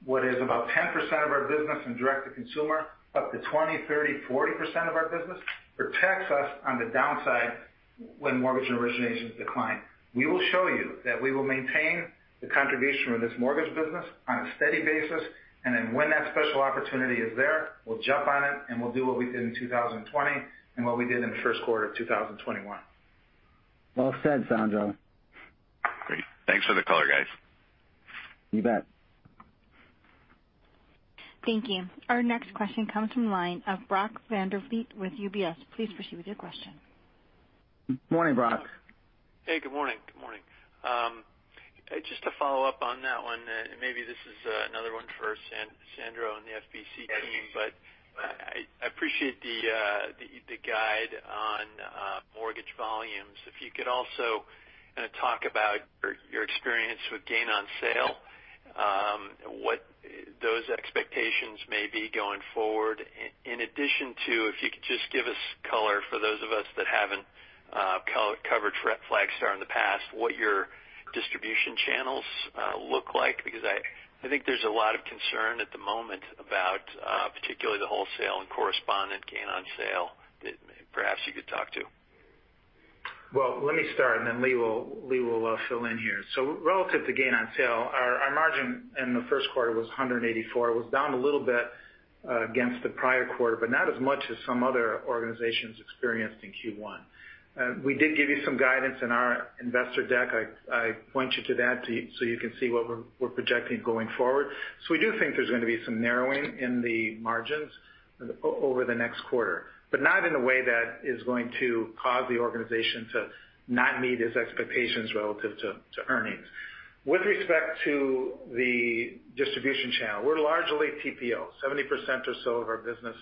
[SPEAKER 3] what is about 10% of our business in direct-to-consumer up to 20%, 30%, 40% of our business protects us on the downside when mortgage originations decline. We will show you that we will maintain the contribution of this mortgage business on a steady basis. And then when that special opportunity is there, we'll jump on it, and we'll do what we did in 2020 and what we did in the first quarter of 2021.
[SPEAKER 2] Well said, Sandro.
[SPEAKER 11] Great. Thanks for the color, guys.
[SPEAKER 2] You bet.
[SPEAKER 4] Thank you. Our next question comes from the line of Brock Vandervliet with UBS. Please proceed with your question.
[SPEAKER 2] Morning, Brock.
[SPEAKER 12] Hey, good morning. Good morning. Just to follow up on that one, and maybe this is another one for Sandro and the FBC team, but I appreciate the guide on mortgage volumes. If you could also kind of talk about your experience with gain on sale, what those expectations may be going forward. In addition to, if you could just give us color for those of us that haven't covered Flagstar in the past, what your distribution channels look like? Because I think there's a lot of concern at the moment about particularly the wholesale and correspondent gain on sale that perhaps you could talk to.
[SPEAKER 3] Let me start, and then Lee will fill in here. So relative to gain on sale, our margin in the first quarter was 184. It was down a little bit against the prior quarter, but not as much as some other organizations experienced in Q1. We did give you some guidance in our investor deck. I point you to that so you can see what we're projecting going forward. So we do think there's going to be some narrowing in the margins over the next quarter, but not in a way that is going to cause the organization to not meet its expectations relative to earnings. With respect to the distribution channel, we're largely TPO. 70% or so of our business is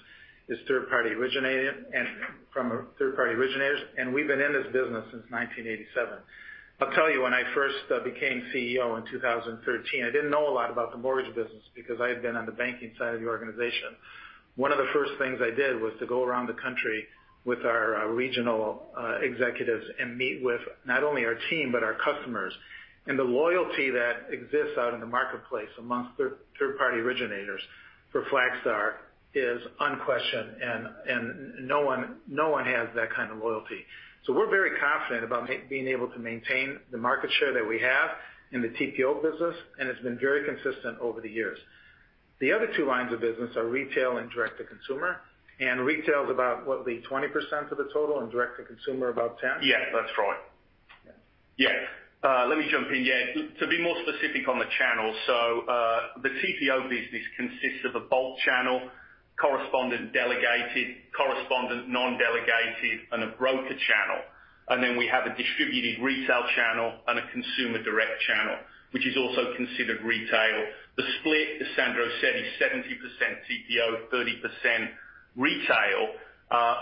[SPEAKER 3] third-party originated and from third-party originators. And we've been in this business since 1987. I'll tell you, when I first became CEO in 2013, I didn't know a lot about the mortgage business because I had been on the banking side of the organization. One of the first things I did was to go around the country with our regional executives and meet with not only our team but our customers. And the loyalty that exists out in the marketplace among third-party originators for Flagstar is unquestioned, and no one has that kind of loyalty. So we're very confident about being able to maintain the market share that we have in the TPO business, and it's been very consistent over the years. The other two lines of business are retail and direct-to-consumer. And retail is about, what, Lee, 20% of the total and direct-to-consumer about 10%?
[SPEAKER 7] Yeah. That's right. Yeah. Let me jump in. Yeah. To be more specific on the channels, so the TPO business consists of a bulk channel, correspondent delegated, correspondent non-delegated, and a broker channel. And then we have a distributed retail channel and a consumer direct channel, which is also considered retail. The split, as Sandro said, is 70% TPO, 30% retail.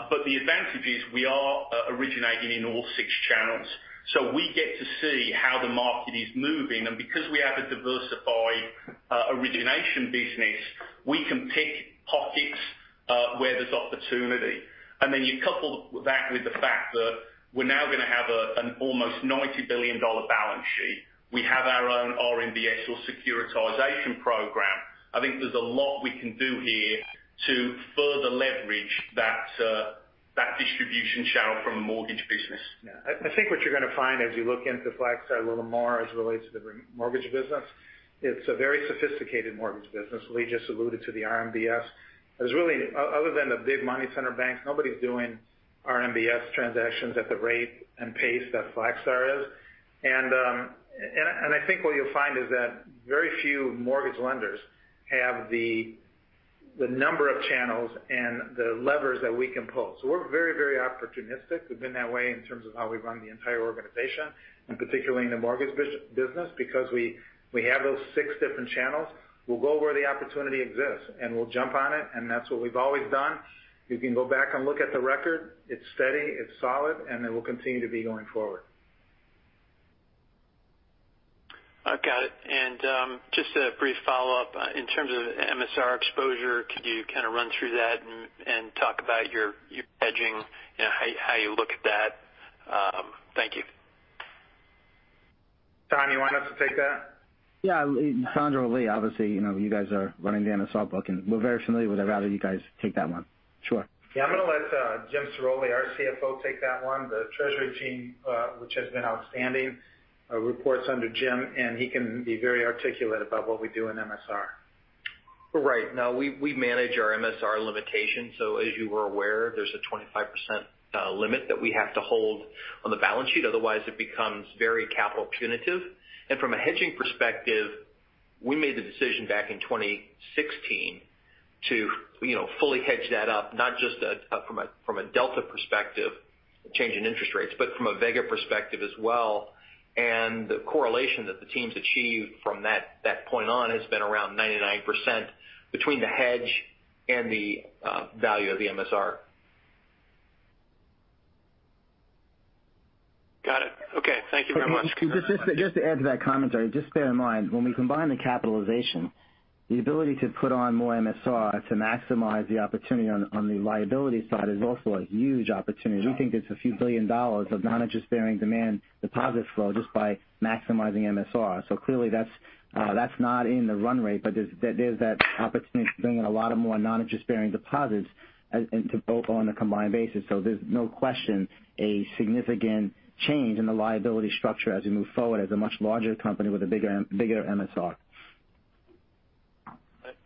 [SPEAKER 7] But the advantage is we are originating in all six channels. So we get to see how the market is moving. And because we have a diversified origination business, we can pick pockets where there's opportunity. And then you couple that with the fact that we're now going to have an almost $90 billion balance sheet. We have our own RMBS or securitization program. I think there's a lot we can do here to further leverage that distribution channel from a mortgage business. Yeah. I think what you're going to find as you look into Flagstar a little more as it relates to the mortgage business, it's a very sophisticated mortgage business. Lee just alluded to the RMBS. Other than the big money center banks, nobody's doing RMBS transactions at the rate and pace that Flagstar is. And I think what you'll find is that very few mortgage lenders have the number of channels and the levers that we can pull. So we're very, very opportunistic. We've been that way in terms of how we run the entire organization, and particularly in the mortgage business, because we have those six different channels. We'll go where the opportunity exists, and we'll jump on it. And that's what we've always done. You can go back and look at the record. It's steady. It's solid. And it will continue to be going forward.
[SPEAKER 12] Got it. And just a brief follow-up. In terms of MSR exposure, could you kind of run through that and talk about your hedging, how you look at that? Thank you.
[SPEAKER 3] Tom, you want us to take that?
[SPEAKER 2] Yeah. Sandro and Lee, obviously, you guys are running the MSR book. And we're very familiar with it. Rather, you guys take that one. Sure.
[SPEAKER 3] Yeah. I'm going to let Jim Ciroli, our CFO, take that one. The treasury team, which has been outstanding, reports under Jim. And he can be very articulate about what we do in MSR.
[SPEAKER 13] Right. Now, we manage our MSR limitations. So as you were aware, there's a 25% limit that we have to hold on the balance sheet. Otherwise, it becomes very capital punitive. And from a hedging perspective, we made the decision back in 2016 to fully hedge that up, not just from a Delta perspective, change in interest rates, but from a Vega perspective as well. And the correlation that the team's achieved from that point on has been around 99% between the hedge and the value of the MSR.
[SPEAKER 12] Got it. Okay. Thank you very much.
[SPEAKER 2] Just to add to that commentary, just bear in mind, when we combine the capitalization, the ability to put on more MSR to maximize the opportunity on the liability side is also a huge opportunity. We think it's a few billion dollars of non-interest bearing demand deposit flow just by maximizing MSR. So clearly, that's not in the run rate, but there's that opportunity to bring in a lot more non-interest bearing deposits and to both on a combined basis. So there's no question a significant change in the liability structure as we move forward as a much larger company with a bigger MSR.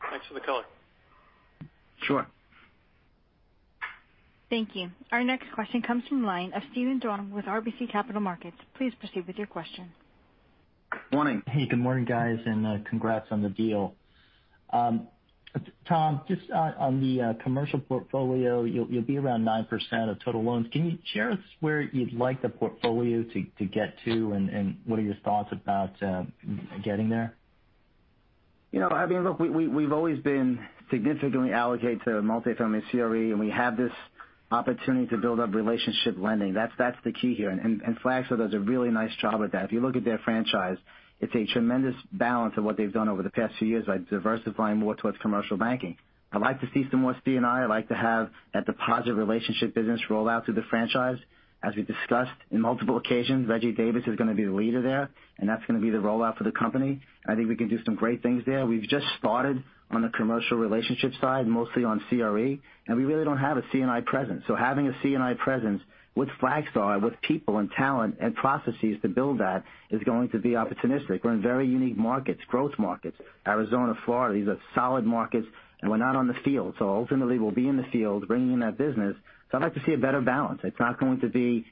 [SPEAKER 12] Thanks for the color.
[SPEAKER 2] Sure.
[SPEAKER 4] Thank you. Our next question comes from line of Steven Duong with RBC Capital Markets. Please proceed with your question.
[SPEAKER 2] Morning.
[SPEAKER 14] Hey, good morning, guys. And congrats on the deal. Tom, just on the commercial portfolio, you'll be around 9% of total loans. Can you share with us where you'd like the portfolio to get to, and what are your thoughts about getting there?
[SPEAKER 2] I mean, look, we've always been significantly allocated to multifamily CRE, and we have this opportunity to build up relationship lending. That's the key here, and Flagstar does a really nice job with that. If you look at their franchise, it's a tremendous balance of what they've done over the past few years by diversifying more towards commercial banking. I'd like to see some more C&I. I'd like to have that deposit relationship business roll out to the franchise. As we discussed in multiple occasions, Reggie Davis is going to be the leader there, and that's going to be the rollout for the company. I think we can do some great things there. We've just started on the commercial relationship side, mostly on CRE, and we really don't have a C&I presence. So having a C&I presence with Flagstar and with people and talent and processes to build that is going to be opportunistic. We're in very unique markets, growth markets, Arizona, Florida. These are solid markets, and we're not on the field. So ultimately, we'll be in the field bringing in that business. So I'd like to see a better balance. It's not going to be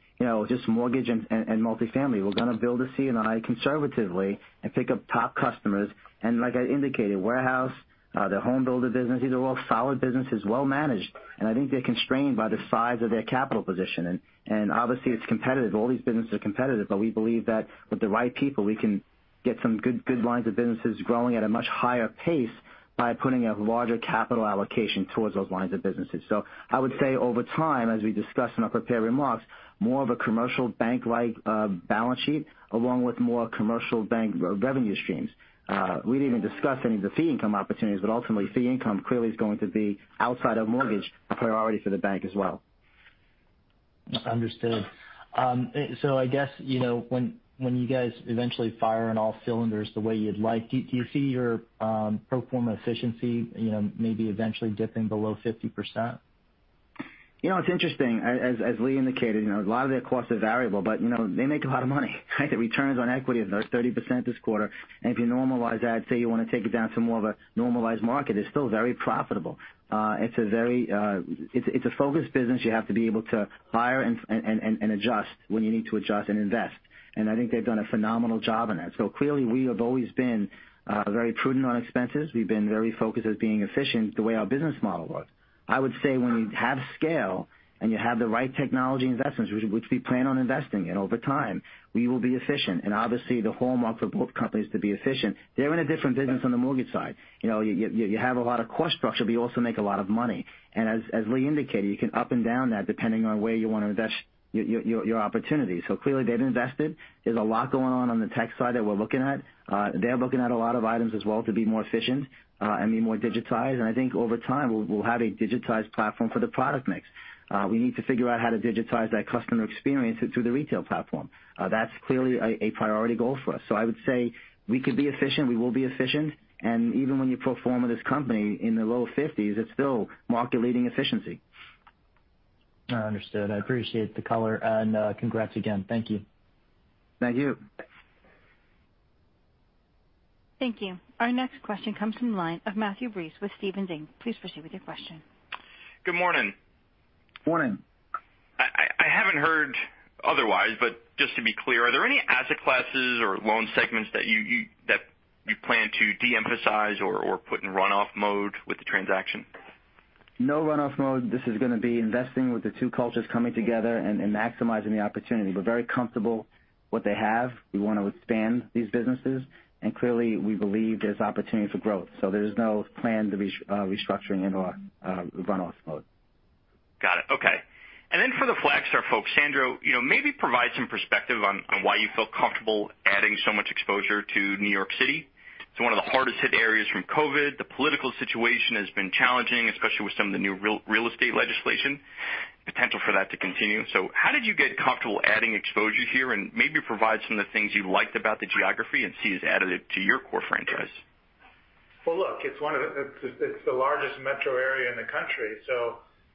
[SPEAKER 2] just mortgage and multifamily. We're going to build a C&I conservatively and pick up top customers. And like I indicated, warehouse, the home builder business, these are all solid businesses, well-managed. And I think they're constrained by the size of their capital position. And obviously, it's competitive. All these businesses are competitive. But we believe that with the right people, we can get some good lines of businesses growing at a much higher pace by putting a larger capital allocation towards those lines of businesses. So I would say over time, as we discussed in our prepared remarks, more of a commercial bank-like balance sheet along with more commercial bank revenue streams. We didn't even discuss any of the fee income opportunities, but ultimately, fee income clearly is going to be outside of mortgage, a priority for the bank as well.
[SPEAKER 14] Understood. So I guess when you guys eventually fire on all cylinders the way you'd like, do you see your pro forma efficiency maybe eventually dipping below 50%?
[SPEAKER 2] It's interesting. As Lee indicated, a lot of their costs are variable, but they make a lot of money. The returns on equity are 30% this quarter. And if you normalize that, say you want to take it down to more of a normalized market, it's still very profitable. It's a focused business. You have to be able to hire and adjust when you need to adjust and invest. And I think they've done a phenomenal job in that. So clearly, we have always been very prudent on expenses. We've been very focused as being efficient the way our business model works. I would say when you have scale and you have the right technology investments, which we plan on investing in over time, we will be efficient. And obviously, the hallmark for both companies to be efficient, they're in a different business on the mortgage side. You have a lot of cost structure, but you also make a lot of money. And as Lee indicated, you can up and down that depending on where you want to invest your opportunity. So clearly, they've invested. There's a lot going on on the tech side that we're looking at. They're looking at a lot of items as well to be more efficient and be more digitized. And I think over time, we'll have a digitized platform for the product mix. We need to figure out how to digitize that customer experience through the retail platform. That's clearly a priority goal for us. So I would say we could be efficient. We will be efficient. And even when you pro forma this company in the low 50s, it's still market-leading efficiency.
[SPEAKER 14] Understood. I appreciate the color. And congrats again. Thank you.
[SPEAKER 2] Thank you.
[SPEAKER 4] Thank you. Our next question comes from the line of Matthew Breese with Stephens Inc. Please proceed with your question.
[SPEAKER 2] Good morning.
[SPEAKER 13] Morning. I haven't heard otherwise, but just to be clear, are there any asset classes or loan segments that you plan to de-emphasize or put in runoff mode with the transaction?
[SPEAKER 2] No runoff mode. This is going to be investing with the two cultures coming together and maximizing the opportunity. We're very comfortable with what they have. We want to expand these businesses, and clearly, we believe there's opportunity for growth, so there's no plan to be restructuring into a runoff mode.
[SPEAKER 13] Got it. Okay. And then for the Flagstar folks, Sandro, maybe provide some perspective on why you feel comfortable adding so much exposure to New York City. It's one of the hardest-hit areas from COVID. The political situation has been challenging, especially with some of the new real estate legislation, potential for that to continue. So how did you get comfortable adding exposure here and maybe provide some of the things you liked about the geography and see as additive to your core franchise?
[SPEAKER 2] Look, it's the largest metro area in the country.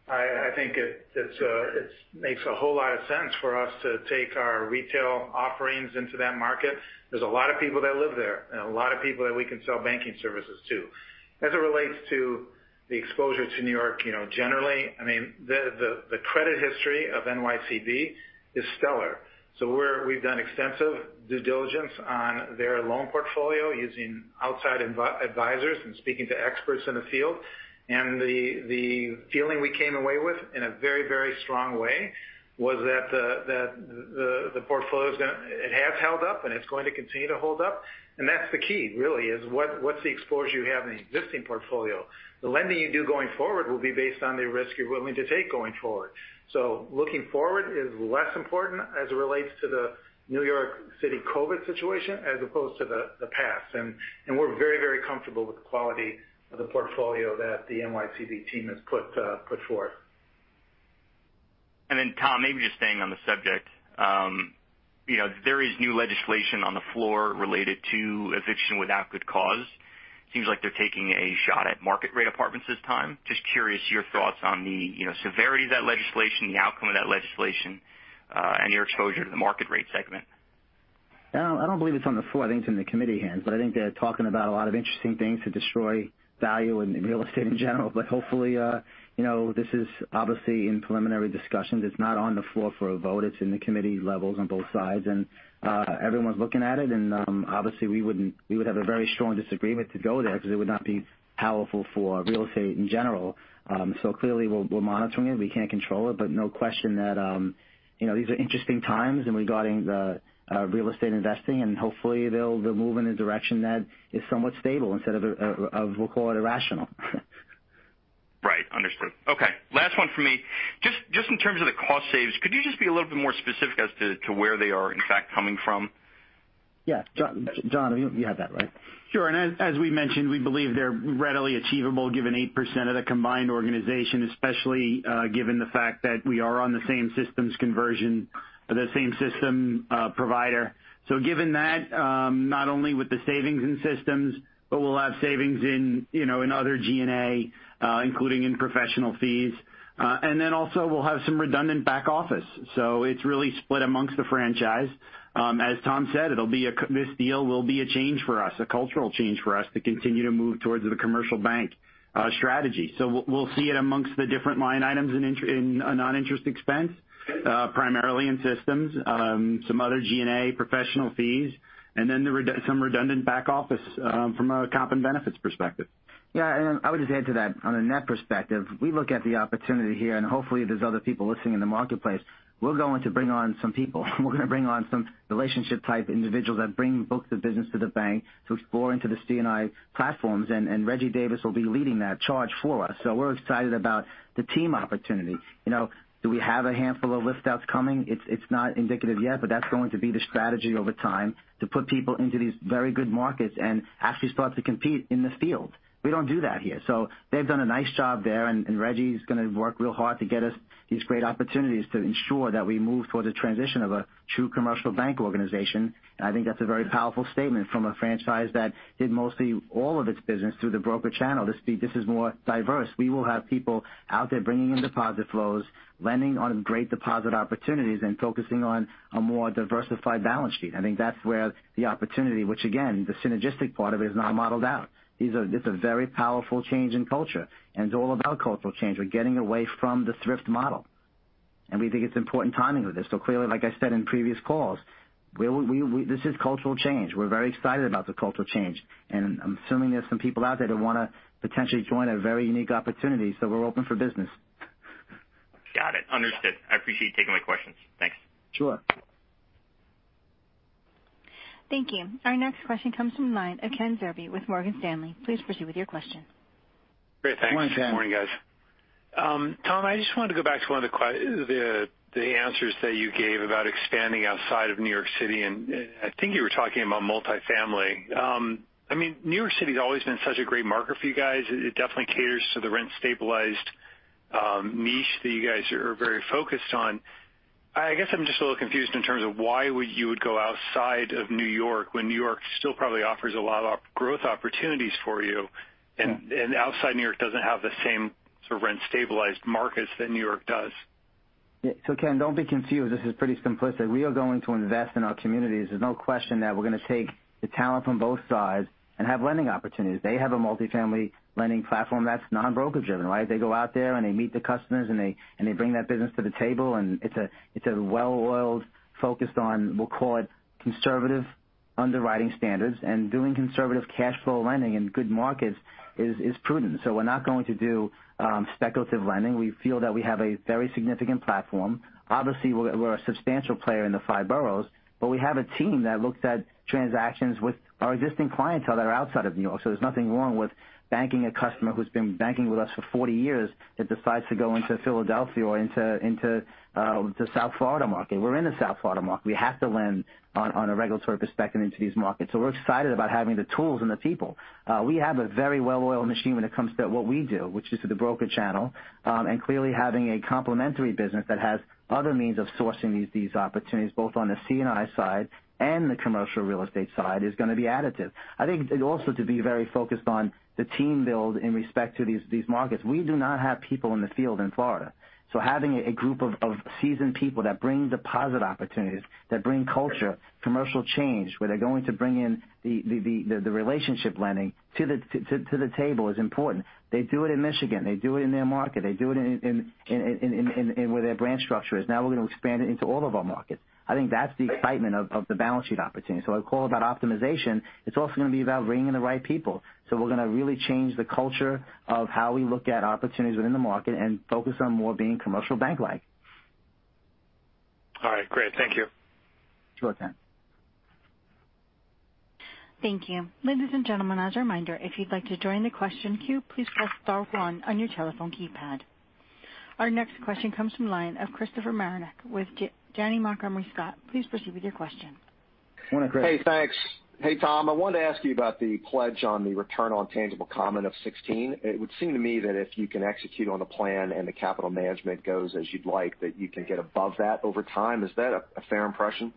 [SPEAKER 2] I think it makes a whole lot of sense for us to take our retail offerings into that market. There's a lot of people that live there and a lot of people that we can sell banking services to. As it relates to the exposure to New York generally, I mean, the credit history of NYCB is stellar. We've done extensive due diligence on their loan portfolio using outside advisors and speaking to experts in the field. The feeling we came away with in a very, very strong way was that the portfolio has held up and it's going to continue to hold up. That's the key, really, is what's the exposure you have in the existing portfolio. The lending you do going forward will be based on the risk you're willing to take going forward. So looking forward is less important as it relates to the New York City COVID situation as opposed to the past. And we're very, very comfortable with the quality of the portfolio that the NYCB team has put forth.
[SPEAKER 13] Then, Tom, maybe just staying on the subject, there is new legislation on the floor related to eviction without good cause. It seems like they're taking a shot at market-rate apartments this time. Just curious your thoughts on the severity of that legislation, the outcome of that legislation, and your exposure to the market-rate segment?
[SPEAKER 2] I don't believe it's on the floor. I think it's in the committee's hands. But I think they're talking about a lot of interesting things to destroy value in real estate in general. But hopefully, this is obviously in preliminary discussions. It's not on the floor for a vote. It's in the committee levels on both sides. And everyone's looking at it. And obviously, we would have a very strong disagreement to go there because it would not be powerful for real estate in general. So clearly, we're monitoring it. We can't control it. But no question that these are interesting times regarding the real estate investing. And hopefully, they'll move in a direction that is somewhat stable instead of what we'll call irrational.
[SPEAKER 13] Right. Understood. Okay. Last one for me. Just in terms of the cost savings, could you just be a little bit more specific as to where they are, in fact, coming from?
[SPEAKER 2] Yeah. John, you have that, right?
[SPEAKER 15] Sure. And as we mentioned, we believe they're readily achievable given 8% of the combined organization, especially given the fact that we are on the same systems conversion, the same system provider. So given that, not only with the savings in systems, but we'll have savings in other G&A, including in professional fees. And then also, we'll have some redundant back office. So it's really split amongst the franchise. As Tom said, this deal will be a change for us, a cultural change for us to continue to move towards the commercial bank strategy. So we'll see it amongst the different line items in a non-interest expense, primarily in systems, some other G&A professional fees, and then some redundant back office from a comp and benefits perspective.
[SPEAKER 2] Yeah, and I would just add to that. On a net perspective, we look at the opportunity here, and hopefully, there's other people listening in the marketplace. We're going to bring on some people. We're going to bring on some relationship-type individuals that bring both the business to the bank to explore into the C&I platforms, and Reggie Davis will be leading that charge for us, so we're excited about the team opportunity. Do we have a handful of liftouts coming? It's not indicative yet, but that's going to be the strategy over time to put people into these very good markets and actually start to compete in the field. We don't do that here, so they've done a nice job there, and Reggie is going to work real hard to get us these great opportunities to ensure that we move towards a transition of a true commercial bank organization. And I think that's a very powerful statement from a franchise that did mostly all of its business through the broker channel. This is more diverse. We will have people out there bringing in deposit flows, lending on great deposit opportunities, and focusing on a more diversified balance sheet. I think that's where the opportunity, which again, the synergistic part of it is not modeled out. It's a very powerful change in culture. And it's all about cultural change. We're getting away from the thrift model. And we think it's important timing with this. So clearly, like I said in previous calls, this is cultural change. We're very excited about the cultural change. And I'm assuming there's some people out there that want to potentially join a very unique opportunity. So we're open for business.
[SPEAKER 13] Got it. Understood. I appreciate you taking my questions. Thanks.
[SPEAKER 2] Sure.
[SPEAKER 4] Thank you. Our next question comes from the line of Ken Zerbe with Morgan Stanley. Please proceed with your question.
[SPEAKER 16] Great. Thanks.
[SPEAKER 2] Morning, Ken.
[SPEAKER 16] Morning, guys. Tom, I just wanted to go back to one of the answers that you gave about expanding outside of New York City. I think you were talking about multifamily. I mean, New York City has always been such a great market for you guys. It definitely caters to the rent-stabilized niche that you guys are very focused on. I guess I'm just a little confused in terms of why you would go outside of New York when New York still probably offers a lot of growth opportunities for you and outside New York doesn't have the same sort of rent-stabilized markets that New York does.
[SPEAKER 2] So Ken, don't be confused. This is pretty simplistic. We are going to invest in our communities. There's no question that we're going to take the talent from both sides and have lending opportunities. They have a multifamily lending platform that's non-broker-driven, right? They go out there and they meet the customers and they bring that business to the table. And it's a well-oiled, focused on, we'll call it conservative underwriting standards. And doing conservative cash flow lending in good markets is prudent. So we're not going to do speculative lending. We feel that we have a very significant platform. Obviously, we're a substantial player in the five boroughs, but we have a team that looks at transactions with our existing clientele that are outside of New York. So there's nothing wrong with banking a customer who's been banking with us for 40 years that decides to go into Philadelphia or into the South Florida market. We're in the South Florida market. We have to lend on a regulatory perspective into these markets. So we're excited about having the tools and the people. We have a very well-oiled machine when it comes to what we do, which is the broker channel. And clearly, having a complementary business that has other means of sourcing these opportunities, both on the C&I side and the commercial real estate side, is going to be additive. I think also to be very focused on the team build in respect to these markets. We do not have people in the field in Florida. Having a group of seasoned people that bring deposit opportunities, that bring culture, commercial change, where they're going to bring in the relationship lending to the table is important. They do it in Michigan. They do it in their market. They do it in where their branch structure is. Now we're going to expand it into all of our markets. I think that's the excitement of the balance sheet opportunity. So I call that optimization. It's also going to be about bringing in the right people. So we're going to really change the culture of how we look at opportunities within the market and focus on more being commercial bank-like.
[SPEAKER 16] All right. Great. Thank you.
[SPEAKER 2] Sure, Ken.
[SPEAKER 4] Thank you. Ladies and gentlemen, as a reminder, if you'd like to join the question queue, please press star one on your telephone keypad. Our next question comes from the line of Christopher Marinac with Janney Montgomery Scott. Please proceed with your question.
[SPEAKER 2] Morning, Chris.
[SPEAKER 17] Hey, thanks. Hey, Tom. I wanted to ask you about the pledge on the return on tangible common of 16. It would seem to me that if you can execute on the plan and the Capital Management goes as you'd like, that you can get above that over time. Is that a fair impression?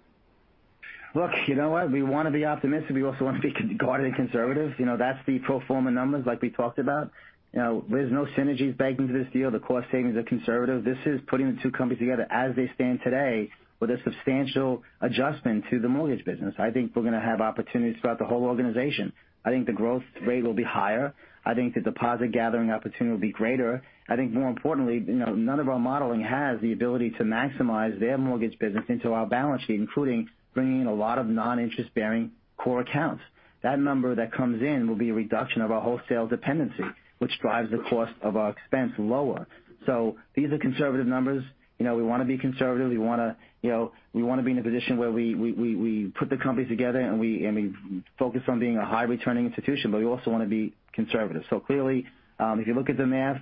[SPEAKER 2] Look, you know what? We want to be optimistic. We also want to be guarded and conservative. That's the pro forma numbers like we talked about. There's no synergies baked into this deal. The cost savings are conservative. This is putting the two companies together as they stand today with a substantial adjustment to the mortgage business. I think we're going to have opportunities throughout the whole organization. I think the growth rate will be higher. I think the deposit gathering opportunity will be greater. I think more importantly, none of our modeling has the ability to maximize their mortgage business into our balance sheet, including bringing in a lot of non-interest-bearing core accounts. That number that comes in will be a reduction of our wholesale dependency, which drives the cost of our expense lower. So these are conservative numbers. We want to be conservative. We want to be in a position where we put the companies together and we focus on being a high-returning institution, but we also want to be conservative. So clearly, if you look at the math,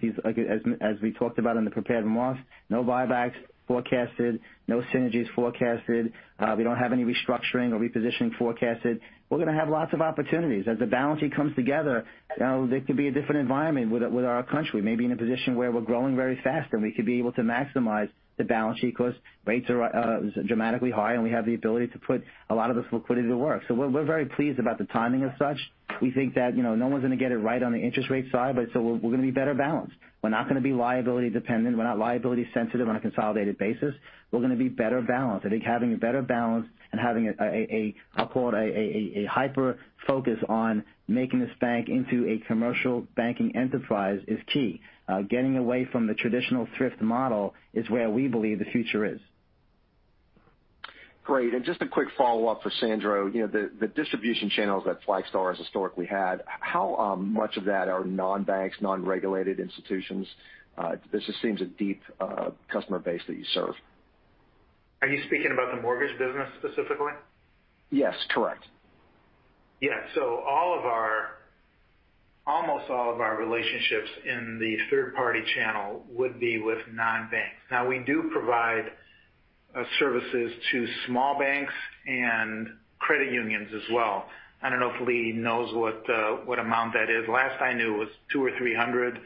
[SPEAKER 2] as we talked about in the prepared remarks, no buybacks forecasted, no synergies forecasted. We don't have any restructuring or repositioning forecasted. We're going to have lots of opportunities. As the balance sheet comes together, there could be a different environment with our counterparty, maybe in a position where we're growing very fast and we could be able to maximize the balance sheet because rates are dramatically high and we have the ability to put a lot of this liquidity to work. So we're very pleased about the timing of this. We think that no one's going to get it right on the interest rate side, but so we're going to be better balanced. We're not going to be liability-dependent. We're not liability-sensitive on a consolidated basis. We're going to be better balanced. I think having a better balance and having a, I'll call it a hyper-focus on making this bank into a commercial banking enterprise is key. Getting away from the traditional thrift model is where we believe the future is.
[SPEAKER 17] Great. And just a quick follow-up for Sandro. The distribution channels that Flagstar has historically had, how much of that are non-banks, non-regulated institutions? This just seems a deep customer base that you serve.
[SPEAKER 2] Are you speaking about the mortgage business specifically?
[SPEAKER 17] Yes, correct.
[SPEAKER 2] Yeah. So almost all of our relationships in the third-party channel would be with non-banks. Now, we do provide services to small banks and credit unions as well. I don't know if Lee knows what amount that is. Last I knew, it was 200 or 300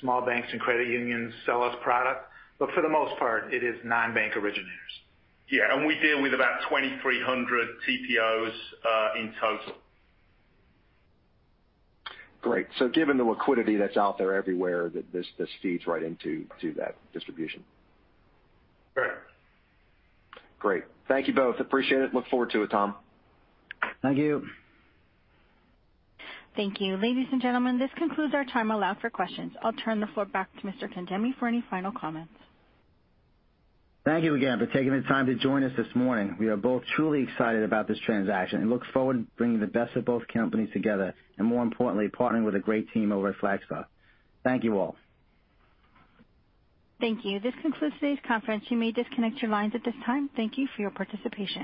[SPEAKER 2] small banks and credit unions sell us product. But for the most part, it is non-bank originators.
[SPEAKER 18] Yeah. And we deal with about 2,300 TPOs in total. Great. So given the liquidity that's out there everywhere, this feeds right into that distribution.
[SPEAKER 2] Correct.
[SPEAKER 17] Great. Thank you both. Appreciate it. Look forward to it, Tom.
[SPEAKER 2] Thank you.
[SPEAKER 4] Thank you. Ladies and gentlemen, this concludes our time allowed for questions. I'll turn the floor back to Mr. Cangemi for any final comments.
[SPEAKER 2] Thank you again for taking the time to join us this morning. We are both truly excited about this transaction and look forward to bringing the best of both companies together, and more importantly, partnering with a great team over at Flagstar. Thank you all.
[SPEAKER 4] Thank you. This concludes today's conference. You may disconnect your lines at this time. Thank you for your participation.